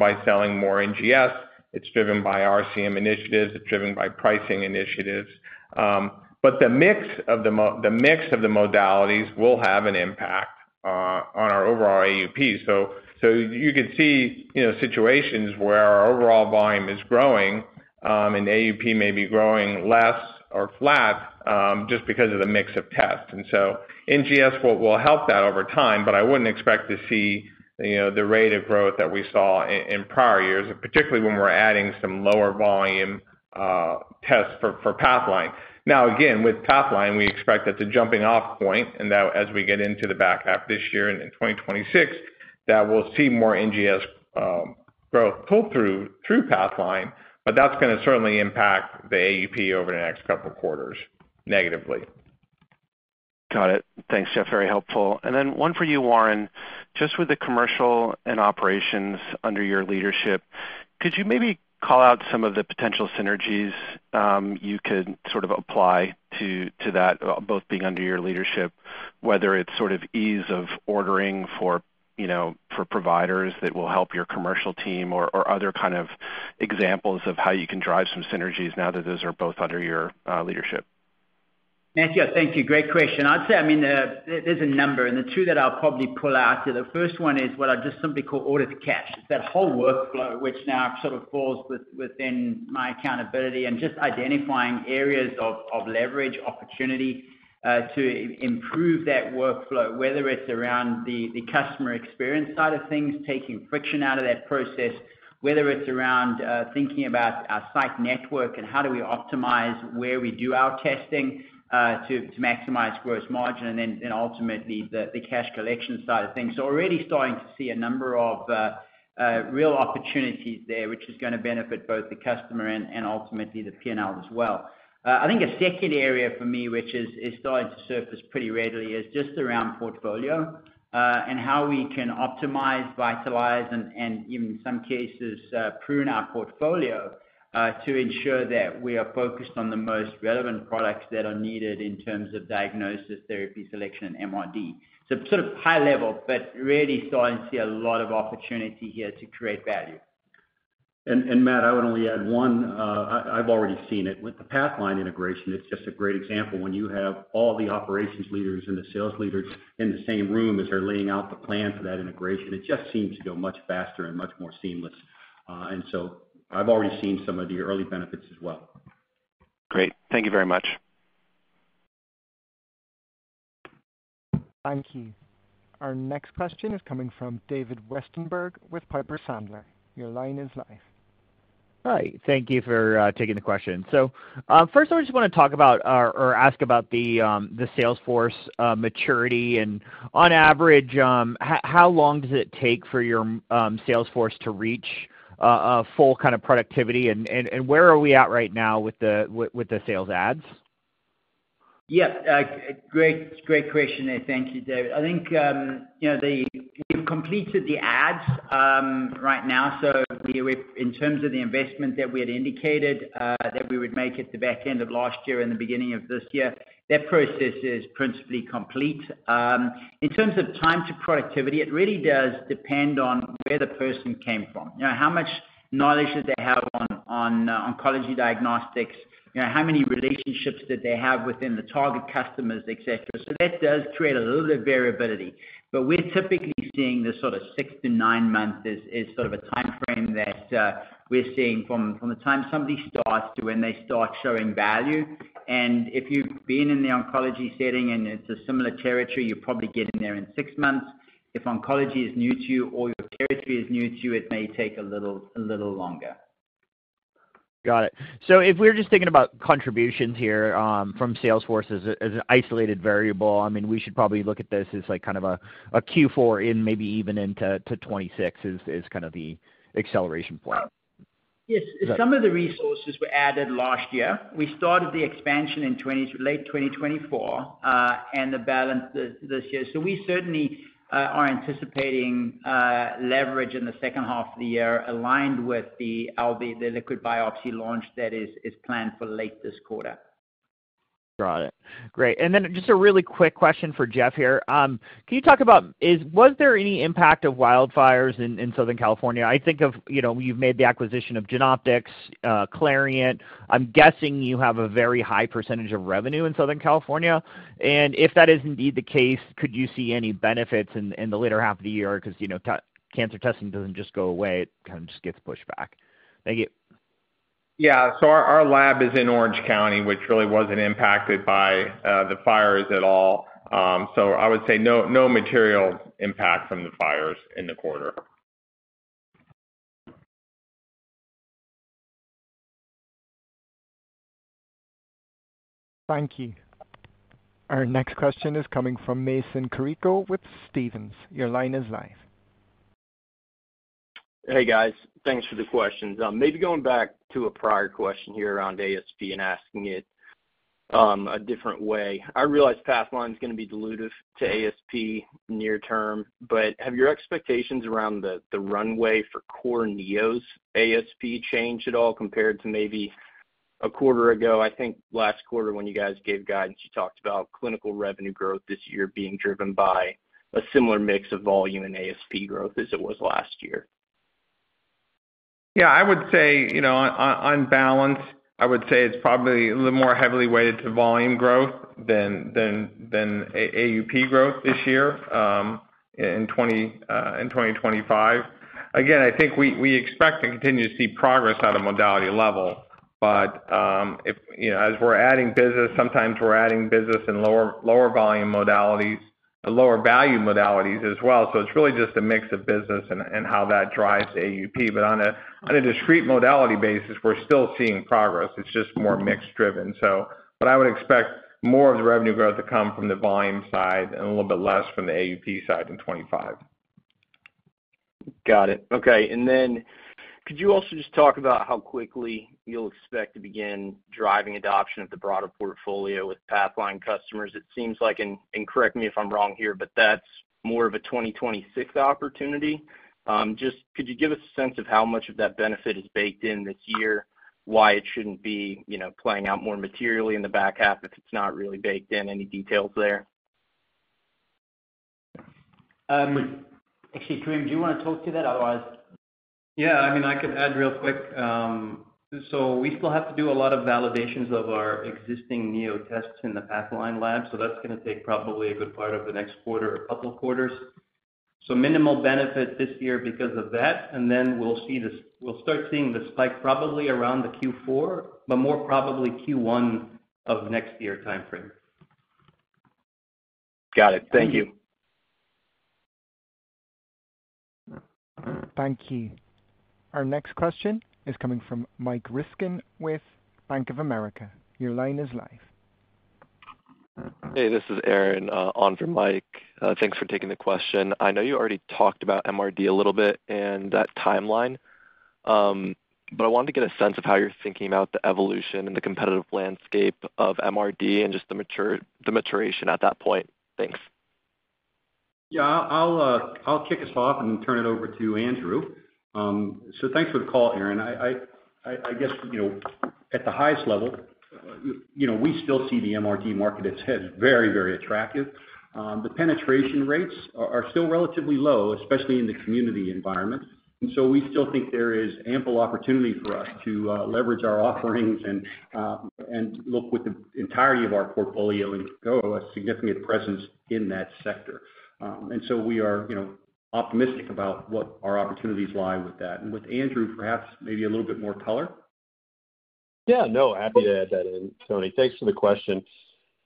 by selling more NGS. It's driven by RCM initiatives. It's driven by pricing initiatives. The mix of the modalities will have an impact on our overall AUP. You can see situations where our overall volume is growing, and AUP may be growing less or flat just because of the mix of tests. NGS will help that over time, but I would not expect to see the rate of growth that we saw in prior years, particularly when we are adding some lower volume tests for Pathline. Now, again, with Pathline, we expect that is a jumping-off point. As we get into the back half this year and in 2026, we will see more NGS growth pull through Pathline. That is going to certainly impact the AUP over the next couple of quarters negatively. Got it. Thanks, Jeff. Very helpful. One for you, Warren. Just with the commercial and operations under your leadership, could you maybe call out some of the potential synergies you could sort of apply to that, both being under your leadership, whether it's sort of ease of ordering for providers that will help your commercial team or other kind of examples of how you can drive some synergies now that those are both under your leadership? Matt, yeah. Thank you. Great question. I'd say, I mean, there's a number. And the two that I'll probably pull out, the first one is what I just simply call order cash. It's that whole workflow, which now sort of falls within my accountability and just identifying areas of leverage opportunity to improve that workflow, whether it's around the customer experience side of things, taking friction out of that process, whether it's around thinking about our site network and how do we optimize where we do our testing to maximize gross margin, and ultimately the cash collection side of things. Already starting to see a number of real opportunities there, which is going to benefit both the customer and ultimately the P&L as well. I think a second area for me, which is starting to surface pretty readily, is just around portfolio and how we can optimize, vitalize, and even in some cases, prune our portfolio to ensure that we are focused on the most relevant products that are needed in terms of diagnosis, therapy selection, and MRD. Sort of high level, but really starting to see a lot of opportunity here to create value. Matt, I would only add one. I've already seen it. With the Pathline integration, it's just a great example when you have all the operations leaders and the sales leaders in the same room as they're laying out the plan for that integration. It just seems to go much faster and much more seamless. I've already seen some of the early benefits as well. Great. Thank you very much. Thank you. Our next question is coming from David Westenberg with Piper Sandler. Your line is live. Hi. Thank you for taking the question. First, I just want to talk about or ask about the sales force maturity. On average, how long does it take for your sales force to reach full kind of productivity? Where are we at right now with the sales adds? Yes. Great question. Thank you, David. I think we've completed the adds right now. In terms of the investment that we had indicated that we would make at the back end of last year and the beginning of this year, that process is principally complete. In terms of time to productivity, it really does depend on where the person came from. How much knowledge do they have on oncology diagnostics? How many relationships do they have within the target customers, etc.? That does create a little bit of variability. We're typically seeing the sort of six to nine months is sort of a timeframe that we're seeing from the time somebody starts to when they start showing value. If you've been in the oncology setting and it's a similar territory, you're probably getting there in six months. If oncology is new to you or your territory is new to you, it may take a little longer. Got it. If we're just thinking about contributions here from sales forces as an isolated variable, I mean, we should probably look at this as kind of a Q4 and maybe even into 2026 as kind of the acceleration point. Yes. Some of the resources were added last year. We started the expansion in late 2023 and the balance this year. We certainly are anticipating leverage in the second half of the year aligned with the liquid biopsy launch that is planned for late this quarter. Got it. Great. And then just a really quick question for Jeff here. Can you talk about, was there any impact of wildfires in Southern California? I think you've made the acquisition of Genoptix, Clarient. I'm guessing you have a very high percentage of revenue in Southern California. If that is indeed the case, could you see any benefits in the later half of the year? Because cancer testing doesn't just go away. It kind of just gets pushed back. Thank you. Yeah. Our lab is in Orange County, which really wasn't impacted by the fires at all. I would say no material impact from the fires in the quarter. Thank you. Our next question is coming from Mason Carrico with Stephens. Your line is live. Hey, guys. Thanks for the questions. Maybe going back to a prior question here around ASP and asking it a different way. I realize Pathline is going to be dilutive to ASP near term, but have your expectations around the runway for core Neo's ASP changed at all compared to maybe a quarter ago? I think last quarter when you guys gave guidance, you talked about clinical revenue growth this year being driven by a similar mix of volume and ASP growth as it was last year. Yeah. I would say on balance, I would say it's probably a little more heavily weighted to volume growth than AUP growth this year in 2025. Again, I think we expect to continue to see progress at a modality level. As we're adding business, sometimes we're adding business in lower volume modalities, lower value modalities as well. It is really just a mix of business and how that drives AUP. On a discrete modality basis, we're still seeing progress. It's just more mix driven. I would expect more of the revenue growth to come from the volume side and a little bit less from the AUP side in 2025. Got it. Okay. Could you also just talk about how quickly you'll expect to begin driving adoption of the broader portfolio with Pathline customers? It seems like, and correct me if I'm wrong here, but that's more of a 2026 opportunity. Just could you give us a sense of how much of that benefit is baked in this year, why it shouldn't be playing out more materially in the back half if it's not really baked in? Any details there? Actually, Kareem, do you want to talk to that? Otherwise. Yeah. I mean, I can add real quick. We still have to do a lot of validations of our existing Neo tests in the Pathline lab. That is going to take probably a good part of the next quarter or a couple of quarters. Minimal benefit this year because of that. We will start seeing the spike probably around the Q4, but more probably Q1 of next year timeframe. Got it. Thank you. Thank you. Our next question is coming from Mike Riskin with Bank of America. Your line is live. Hey, this is Aaron on for Mike. Thanks for taking the question. I know you already talked about MRD a little bit and that timeline, but I wanted to get a sense of how you're thinking about the evolution and the competitive landscape of MRD and just the maturation at that point. Thanks. Yeah. I'll kick us off and turn it over to Andrew. Thanks for the call, Aaron. I guess at the highest level, we still see the MRD market as very, very attractive. The penetration rates are still relatively low, especially in the community environment. We still think there is ample opportunity for us to leverage our offerings and look with the entirety of our portfolio and grow a significant presence in that sector. We are optimistic about what our opportunities lie with that. With Andrew, perhaps maybe a little bit more color? Yeah. No, happy to add that in, Tony. Thanks for the question.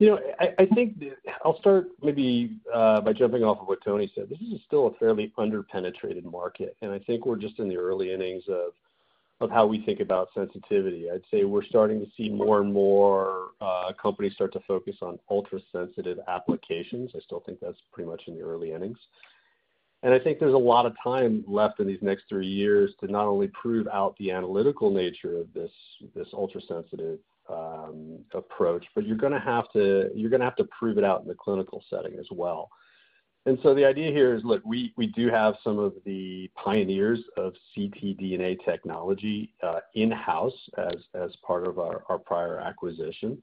I think I'll start maybe by jumping off of what Tony said. This is still a fairly underpenetrated market. I think we're just in the early innings of how we think about sensitivity. I'd say we're starting to see more and more companies start to focus on ultra-sensitive applications. I still think that's pretty much in the early innings. I think there's a lot of time left in these next three years to not only prove out the analytical nature of this ultra-sensitive approach, but you're going to have to prove it out in the clinical setting as well. The idea here is, look, we do have some of the pioneers of ctDNA technology in-house as part of our prior acquisition.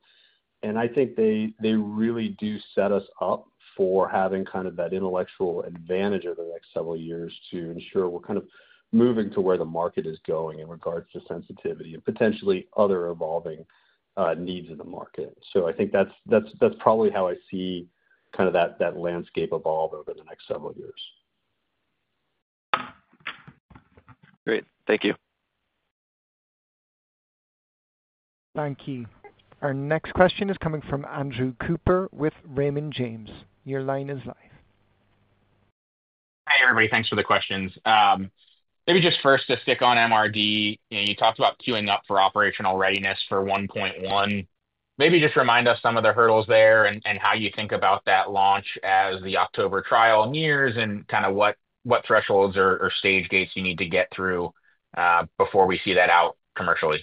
I think they really do set us up for having kind of that intellectual advantage over the next several years to ensure we're kind of moving to where the market is going in regards to sensitivity and potentially other evolving needs of the market. I think that's probably how I see kind of that landscape evolve over the next several years. Great. Thank you. Thank you. Our next question is coming from Andrew Cooper with Raymond James. Your line is live. Hey, everybody. Thanks for the questions. Maybe just first to stick on MRD, you talked about queuing up for operational readiness for 1.1. Maybe just remind us some of the hurdles there and how you think about that launch as the October trial nears and kind of what thresholds or stage gates you need to get through before we see that out commercially.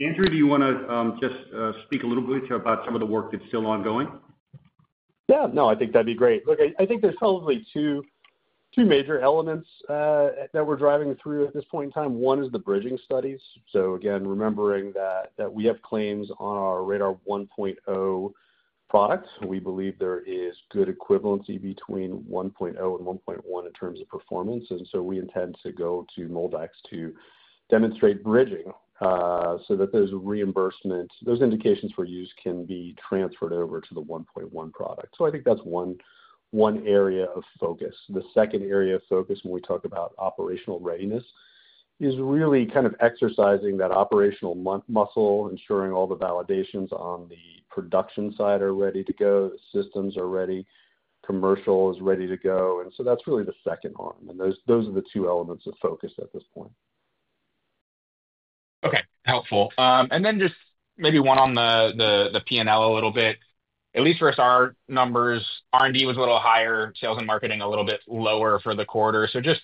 Andrew, do you want to just speak a little bit about some of the work that's still ongoing? Yeah. No, I think that'd be great. Look, I think there's probably two major elements that we're driving through at this point in time. One is the bridging studies. Again, remembering that we have claims on our RaDaR 1.0 product. We believe there is good equivalency between 1.0 and 1.1 in terms of performance. We intend to go to MolDX to demonstrate bridging so that those reimbursements, those indications for use can be transferred over to the 1.1 product. I think that's one area of focus. The second area of focus when we talk about operational readiness is really kind of exercising that operational muscle, ensuring all the validations on the production side are ready to go, the systems are ready, commercial is ready to go. That's really the second arm. Those are the two elements of focus at this point. Okay. Helpful. Just maybe one on the P&L a little bit. At least for our numbers, R&D was a little higher, sales and marketing a little bit lower for the quarter. Just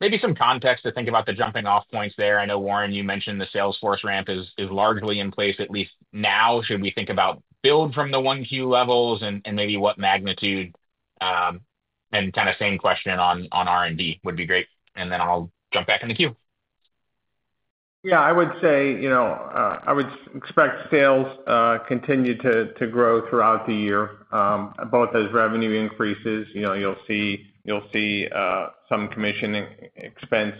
maybe some context to think about the jumping-off points there. I know, Warren, you mentioned the sales force ramp is largely in place at least now. Should we think about build from the 1Q levels and maybe what magnitude? Kind of same question on R&D would be great. I'll jump back in the queue. Yeah. I would say I would expect sales continue to grow throughout the year, both as revenue increases. You'll see some commission expense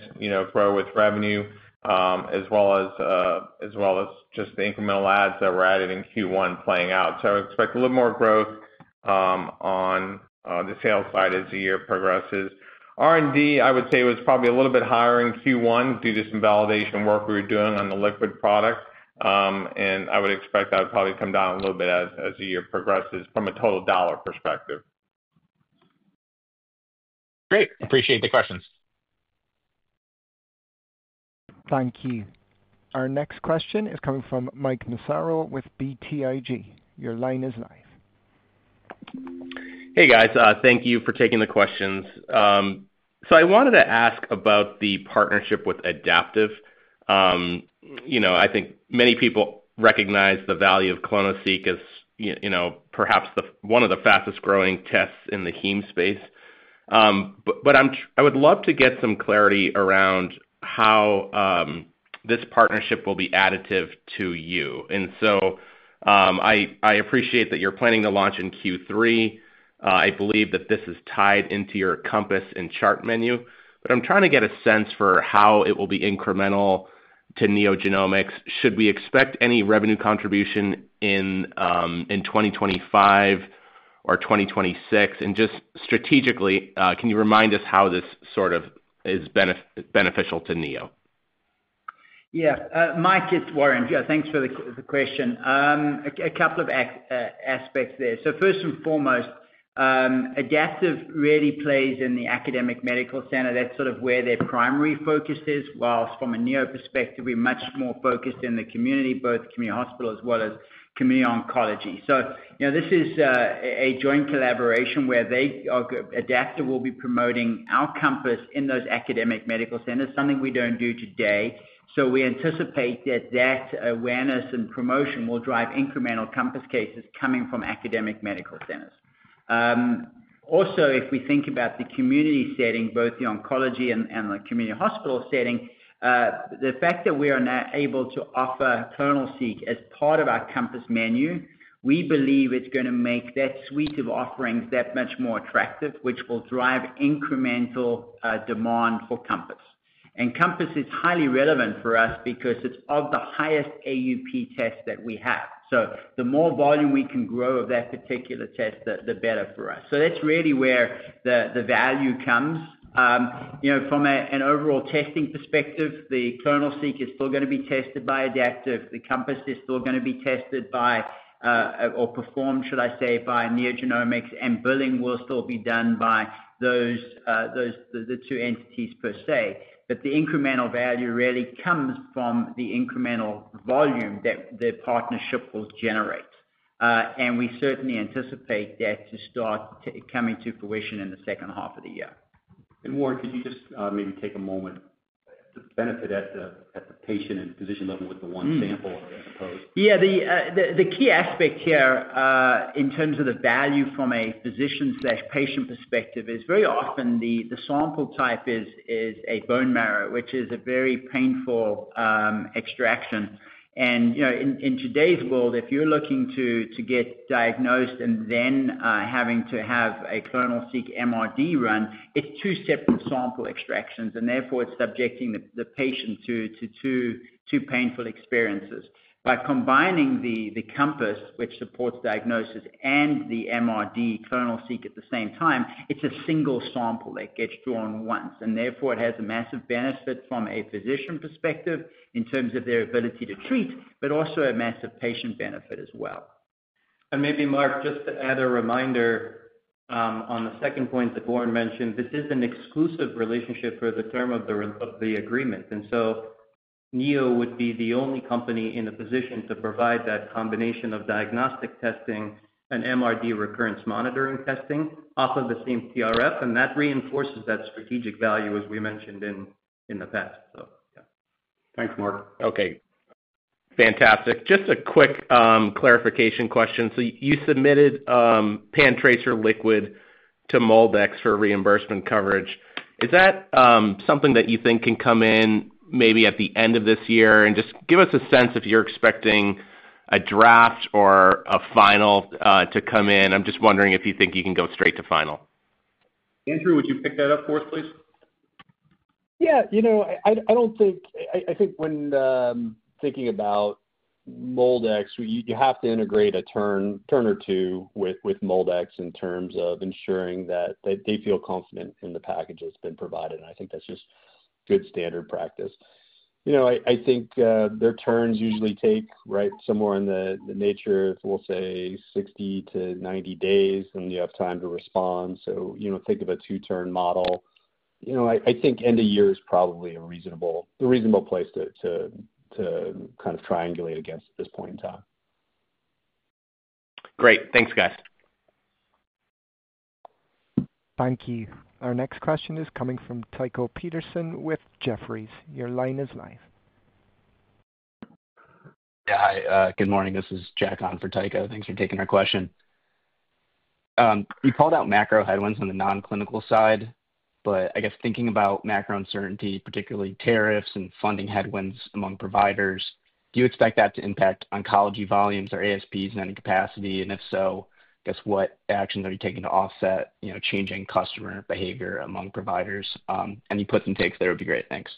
grow with revenue as well as just the incremental ads that we're adding in Q1 playing out. I expect a little more growth on the sales side as the year progresses. R&D, I would say, was probably a little bit higher in Q1 due to some validation work we were doing on the liquid product. I would expect that would probably come down a little bit as the year progresses from a total dollar perspective. Great. Appreciate the questions. Thank you. Our next question is coming from Mark Massaro with BTIG. Your line is live. Hey, guys. Thank you for taking the questions. I wanted to ask about the partnership with Adaptive. I think many people recognize the value of ClonoSeq as perhaps one of the fastest-growing tests in the heme space. I would love to get some clarity around how this partnership will be additive to you. I appreciate that you're planning to launch in Q3. I believe that this is tied into your Compass and Chart menu. I'm trying to get a sense for how it will be incremental to NeoGenomics. Should we expect any revenue contribution in 2025 or 2026? Just strategically, can you remind us how this sort of is beneficial to Neo? Yeah. Mike, it's Warren. Yeah. Thanks for the question. A couple of aspects there. First and foremost, Adaptive really plays in the academic medical center. That's sort of where their primary focus is. Whilst from a Neo perspective, we're much more focused in the community, both community hospital as well as community oncology. This is a joint collaboration where Adaptive will be promoting our Compass in those academic medical centers, something we don't do today. We anticipate that that awareness and promotion will drive incremental Compass cases coming from academic medical centers. Also, if we think about the community setting, both the oncology and the community hospital setting, the fact that we are now able to offer ClonoSeq as part of our Compass menu, we believe it's going to make that suite of offerings that much more attractive, which will drive incremental demand for Compass. Compass is highly relevant for us because it's of the highest AUP tests that we have. The more volume we can grow of that particular test, the better for us. That is really where the value comes. From an overall testing perspective, the ClonoSeq is still going to be tested by Adaptive. The Compass is still going to be tested by, or performed, should I say, by NeoGenomics. Billing will still be done by the two entities per se. The incremental value really comes from the incremental volume that the partnership will generate. We certainly anticipate that to start coming to fruition in the second half of the year. Warren, could you just maybe take a moment to benefit at the patient and physician level with the one sample, I suppose? Yeah. The key aspect here in terms of the value from a physician/patient perspective is very often the sample type is a bone marrow, which is a very painful extraction. In today's world, if you're looking to get diagnosed and then having to have a ClonoSeq MRD run, it's two separate sample extractions. Therefore, it's subjecting the patient to two painful experiences. By combining the Compass, which supports diagnosis, and the MRD, ClonoSeq at the same time, it's a single sample that gets drawn once. Therefore, it has a massive benefit from a physician perspective in terms of their ability to treat, but also a massive patient benefit as well. Maybe, Mark, just to add a reminder on the second point that Warren mentioned, this is an exclusive relationship for the term of the agreement. Neo would be the only company in a position to provide that combination of diagnostic testing and MRD recurrence monitoring testing off of the same TRF. That reinforces that strategic value, as we mentioned in the past. Yeah. Thanks, Mark. Okay. Fantastic. Just a quick clarification question. You submitted PanTracer LBx to MolDX for reimbursement coverage. Is that something that you think can come in maybe at the end of this year? Just give us a sense if you're expecting a draft or a final to come in. I'm just wondering if you think you can go straight to final. Andrew, would you pick that up for us, please? Yeah. I think when thinking about MolDX, you have to integrate a turn or two with MolDX in terms of ensuring that they feel confident in the package that's been provided. I think that's just good standard practice. I think their turns usually take somewhere in the nature of, we'll say, 60-90 days, and you have time to respond. Think of a two-turn model. I think end of year is probably a reasonable place to kind of triangulate against at this point in time. Great. Thanks, guys. Thank you. Our next question is coming from Jack with Jefferies. Your line is live. Yeah. Hi. Good morning. This is Jack on for Tycho. Thanks for taking our question. You called out macro headwinds on the non-clinical side. I guess thinking about macro uncertainty, particularly tariffs and funding headwinds among providers, do you expect that to impact oncology volumes or ASPs in any capacity? If so, I guess what actions are you taking to offset changing customer behavior among providers? Any puts and takes there would be great. Thanks.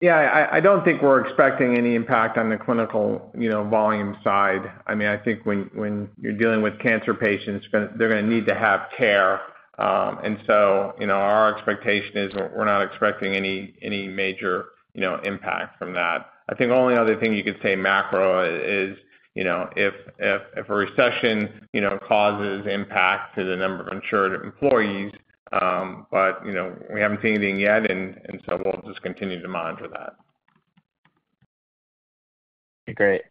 Yeah. I do not think we are expecting any impact on the clinical volume side. I mean, I think when you are dealing with cancer patients, they are going to need to have care. Our expectation is we are not expecting any major impact from that. I think the only other thing you could say macro is if a recession causes impact to the number of insured employees. We have not seen anything yet. We will just continue to monitor that. Okay. Great.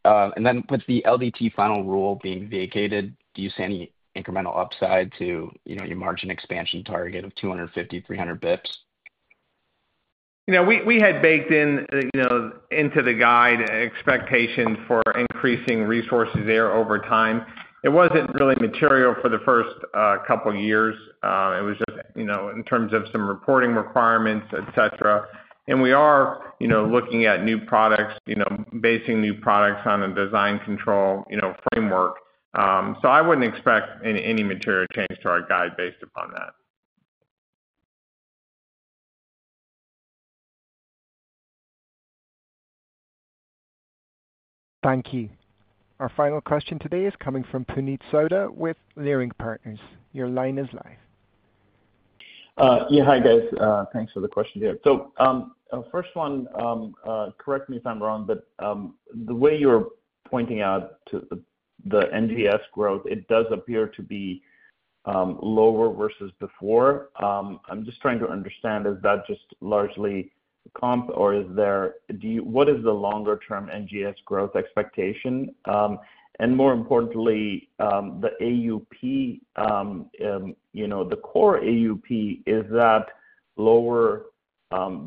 With the LDT final rule being vacated, do you see any incremental upside to your margin expansion target of 250-300 basis points? We had baked into the guide expectations for increasing resources there over time. It was not really material for the first couple of years. It was just in terms of some reporting requirements, etc. We are looking at new products, basing new products on a design control framework. I would not expect any material change to our guide based upon that. Thank you. Our final question today is coming from Puneet Souda with Leerink Partners. Your line is live. Yeah. Hi, guys. Thanks for the question here. First one, correct me if I'm wrong, but the way you're pointing out to the NGS growth, it does appear to be lower versus before. I'm just trying to understand, is that just largely comp, or what is the longer-term NGS growth expectation? More importantly, the AUP, the core AUP, is that lower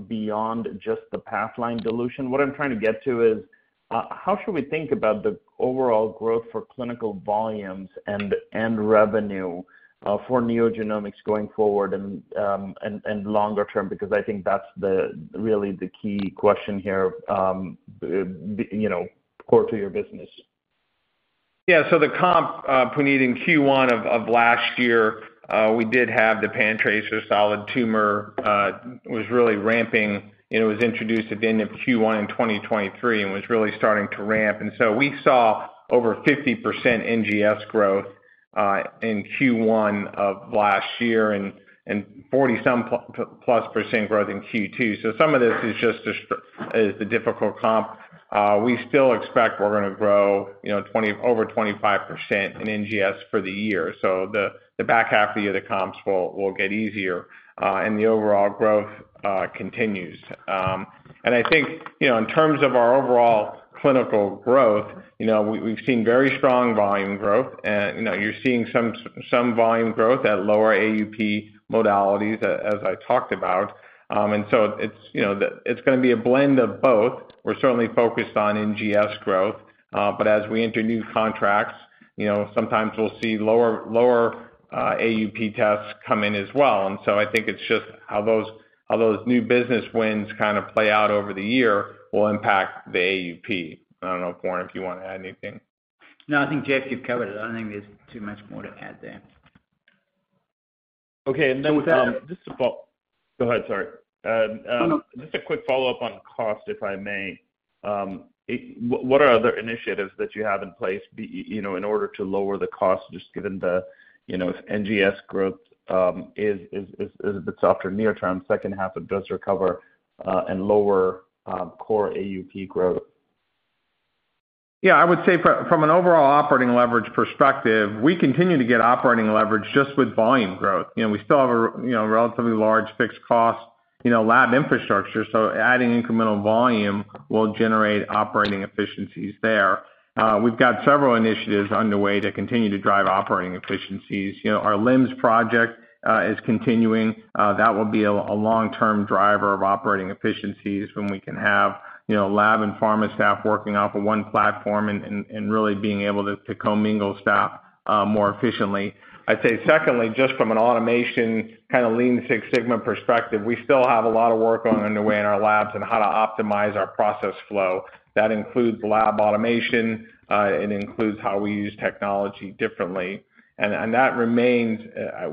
beyond just the Pathline dilution? What I'm trying to get to is how should we think about the overall growth for clinical volumes and revenue for NeoGenomics going forward and longer term? I think that's really the key question here, core to your business. Yeah. The comp, Puneet, in Q1 of last year, we did have the PanTracer solid tumor was really ramping. It was introduced at the end of Q1 in 2023 and was really starting to ramp. We saw over 50% NGS growth in Q1 of last year and 40-some plus % growth in Q2. Some of this is just the difficult comp. We still expect we're going to grow over 25% in NGS for the year. The back half of the year, the comps will get easier, and the overall growth continues. I think in terms of our overall clinical growth, we've seen very strong volume growth. You're seeing some volume growth at lower AUP modalities, as I talked about. It's going to be a blend of both. We're certainly focused on NGS growth. As we enter new contracts, sometimes we'll see lower AUP tests come in as well. I think it's just how those new business wins kind of play out over the year will impact the AUP. I don't know, Warren, if you want to add anything. No, I think, Jeff, you've covered it. I don't think there's too much more to add there. Okay. And then just a—go ahead, sorry. No, no. Just a quick follow-up on cost, if I may. What are other initiatives that you have in place in order to lower the cost, just given the NGS growth? Is it the softer near-term second half or does recover and lower core AUP growth? Yeah. I would say from an overall operating leverage perspective, we continue to get operating leverage just with volume growth. We still have a relatively large fixed cost lab infrastructure. Adding incremental volume will generate operating efficiencies there. We have several initiatives underway to continue to drive operating efficiencies. Our LIMS project is continuing. That will be a long-term driver of operating efficiencies when we can have lab and pharma staff working off of one platform and really being able to commingle staff more efficiently. I would say secondly, just from an automation kind of lean Six Sigma perspective, we still have a lot of work underway in our labs on how to optimize our process flow. That includes lab automation. It includes how we use technology differently. That remains,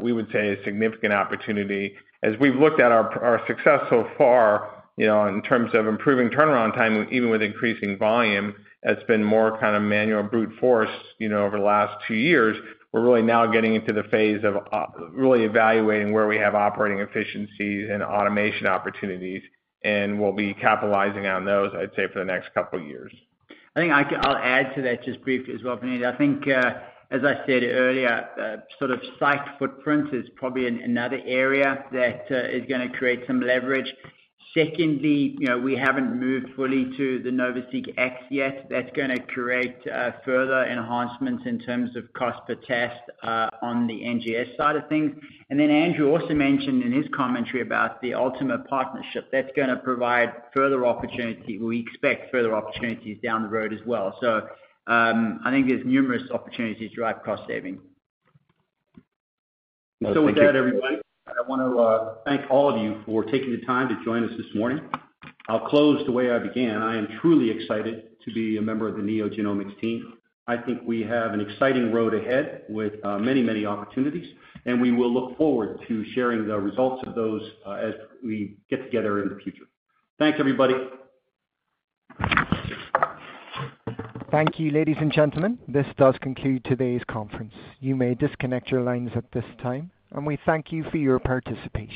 we would say, a significant opportunity. As we've looked at our success so far in terms of improving turnaround time, even with increasing volume, that's been more kind of manual brute force over the last two years. We're really now getting into the phase of really evaluating where we have operating efficiencies and automation opportunities. We'll be capitalizing on those, I'd say, for the next couple of years. I think I'll add to that just briefly as well, Puneet. I think, as I said earlier, sort of site footprint is probably another area that is going to create some leverage. Secondly, we haven't moved fully to the NovaSeq X yet. That's going to create further enhancements in terms of cost per test on the NGS side of things. Andrew also mentioned in his commentary about the Ultima partnership. That's going to provide further opportunity. We expect further opportunities down the road as well. I think there's numerous opportunities to drive cost saving. That's all. With that, everyone, I want to thank all of you for taking the time to join us this morning. I'll close the way I began. I am truly excited to be a member of the NeoGenomics team. I think we have an exciting road ahead with many, many opportunities. We will look forward to sharing the results of those as we get together in the future. Thanks, everybody. Thank you, ladies and gentlemen. This does conclude today's conference. You may disconnect your lines at this time. We thank you for your participation.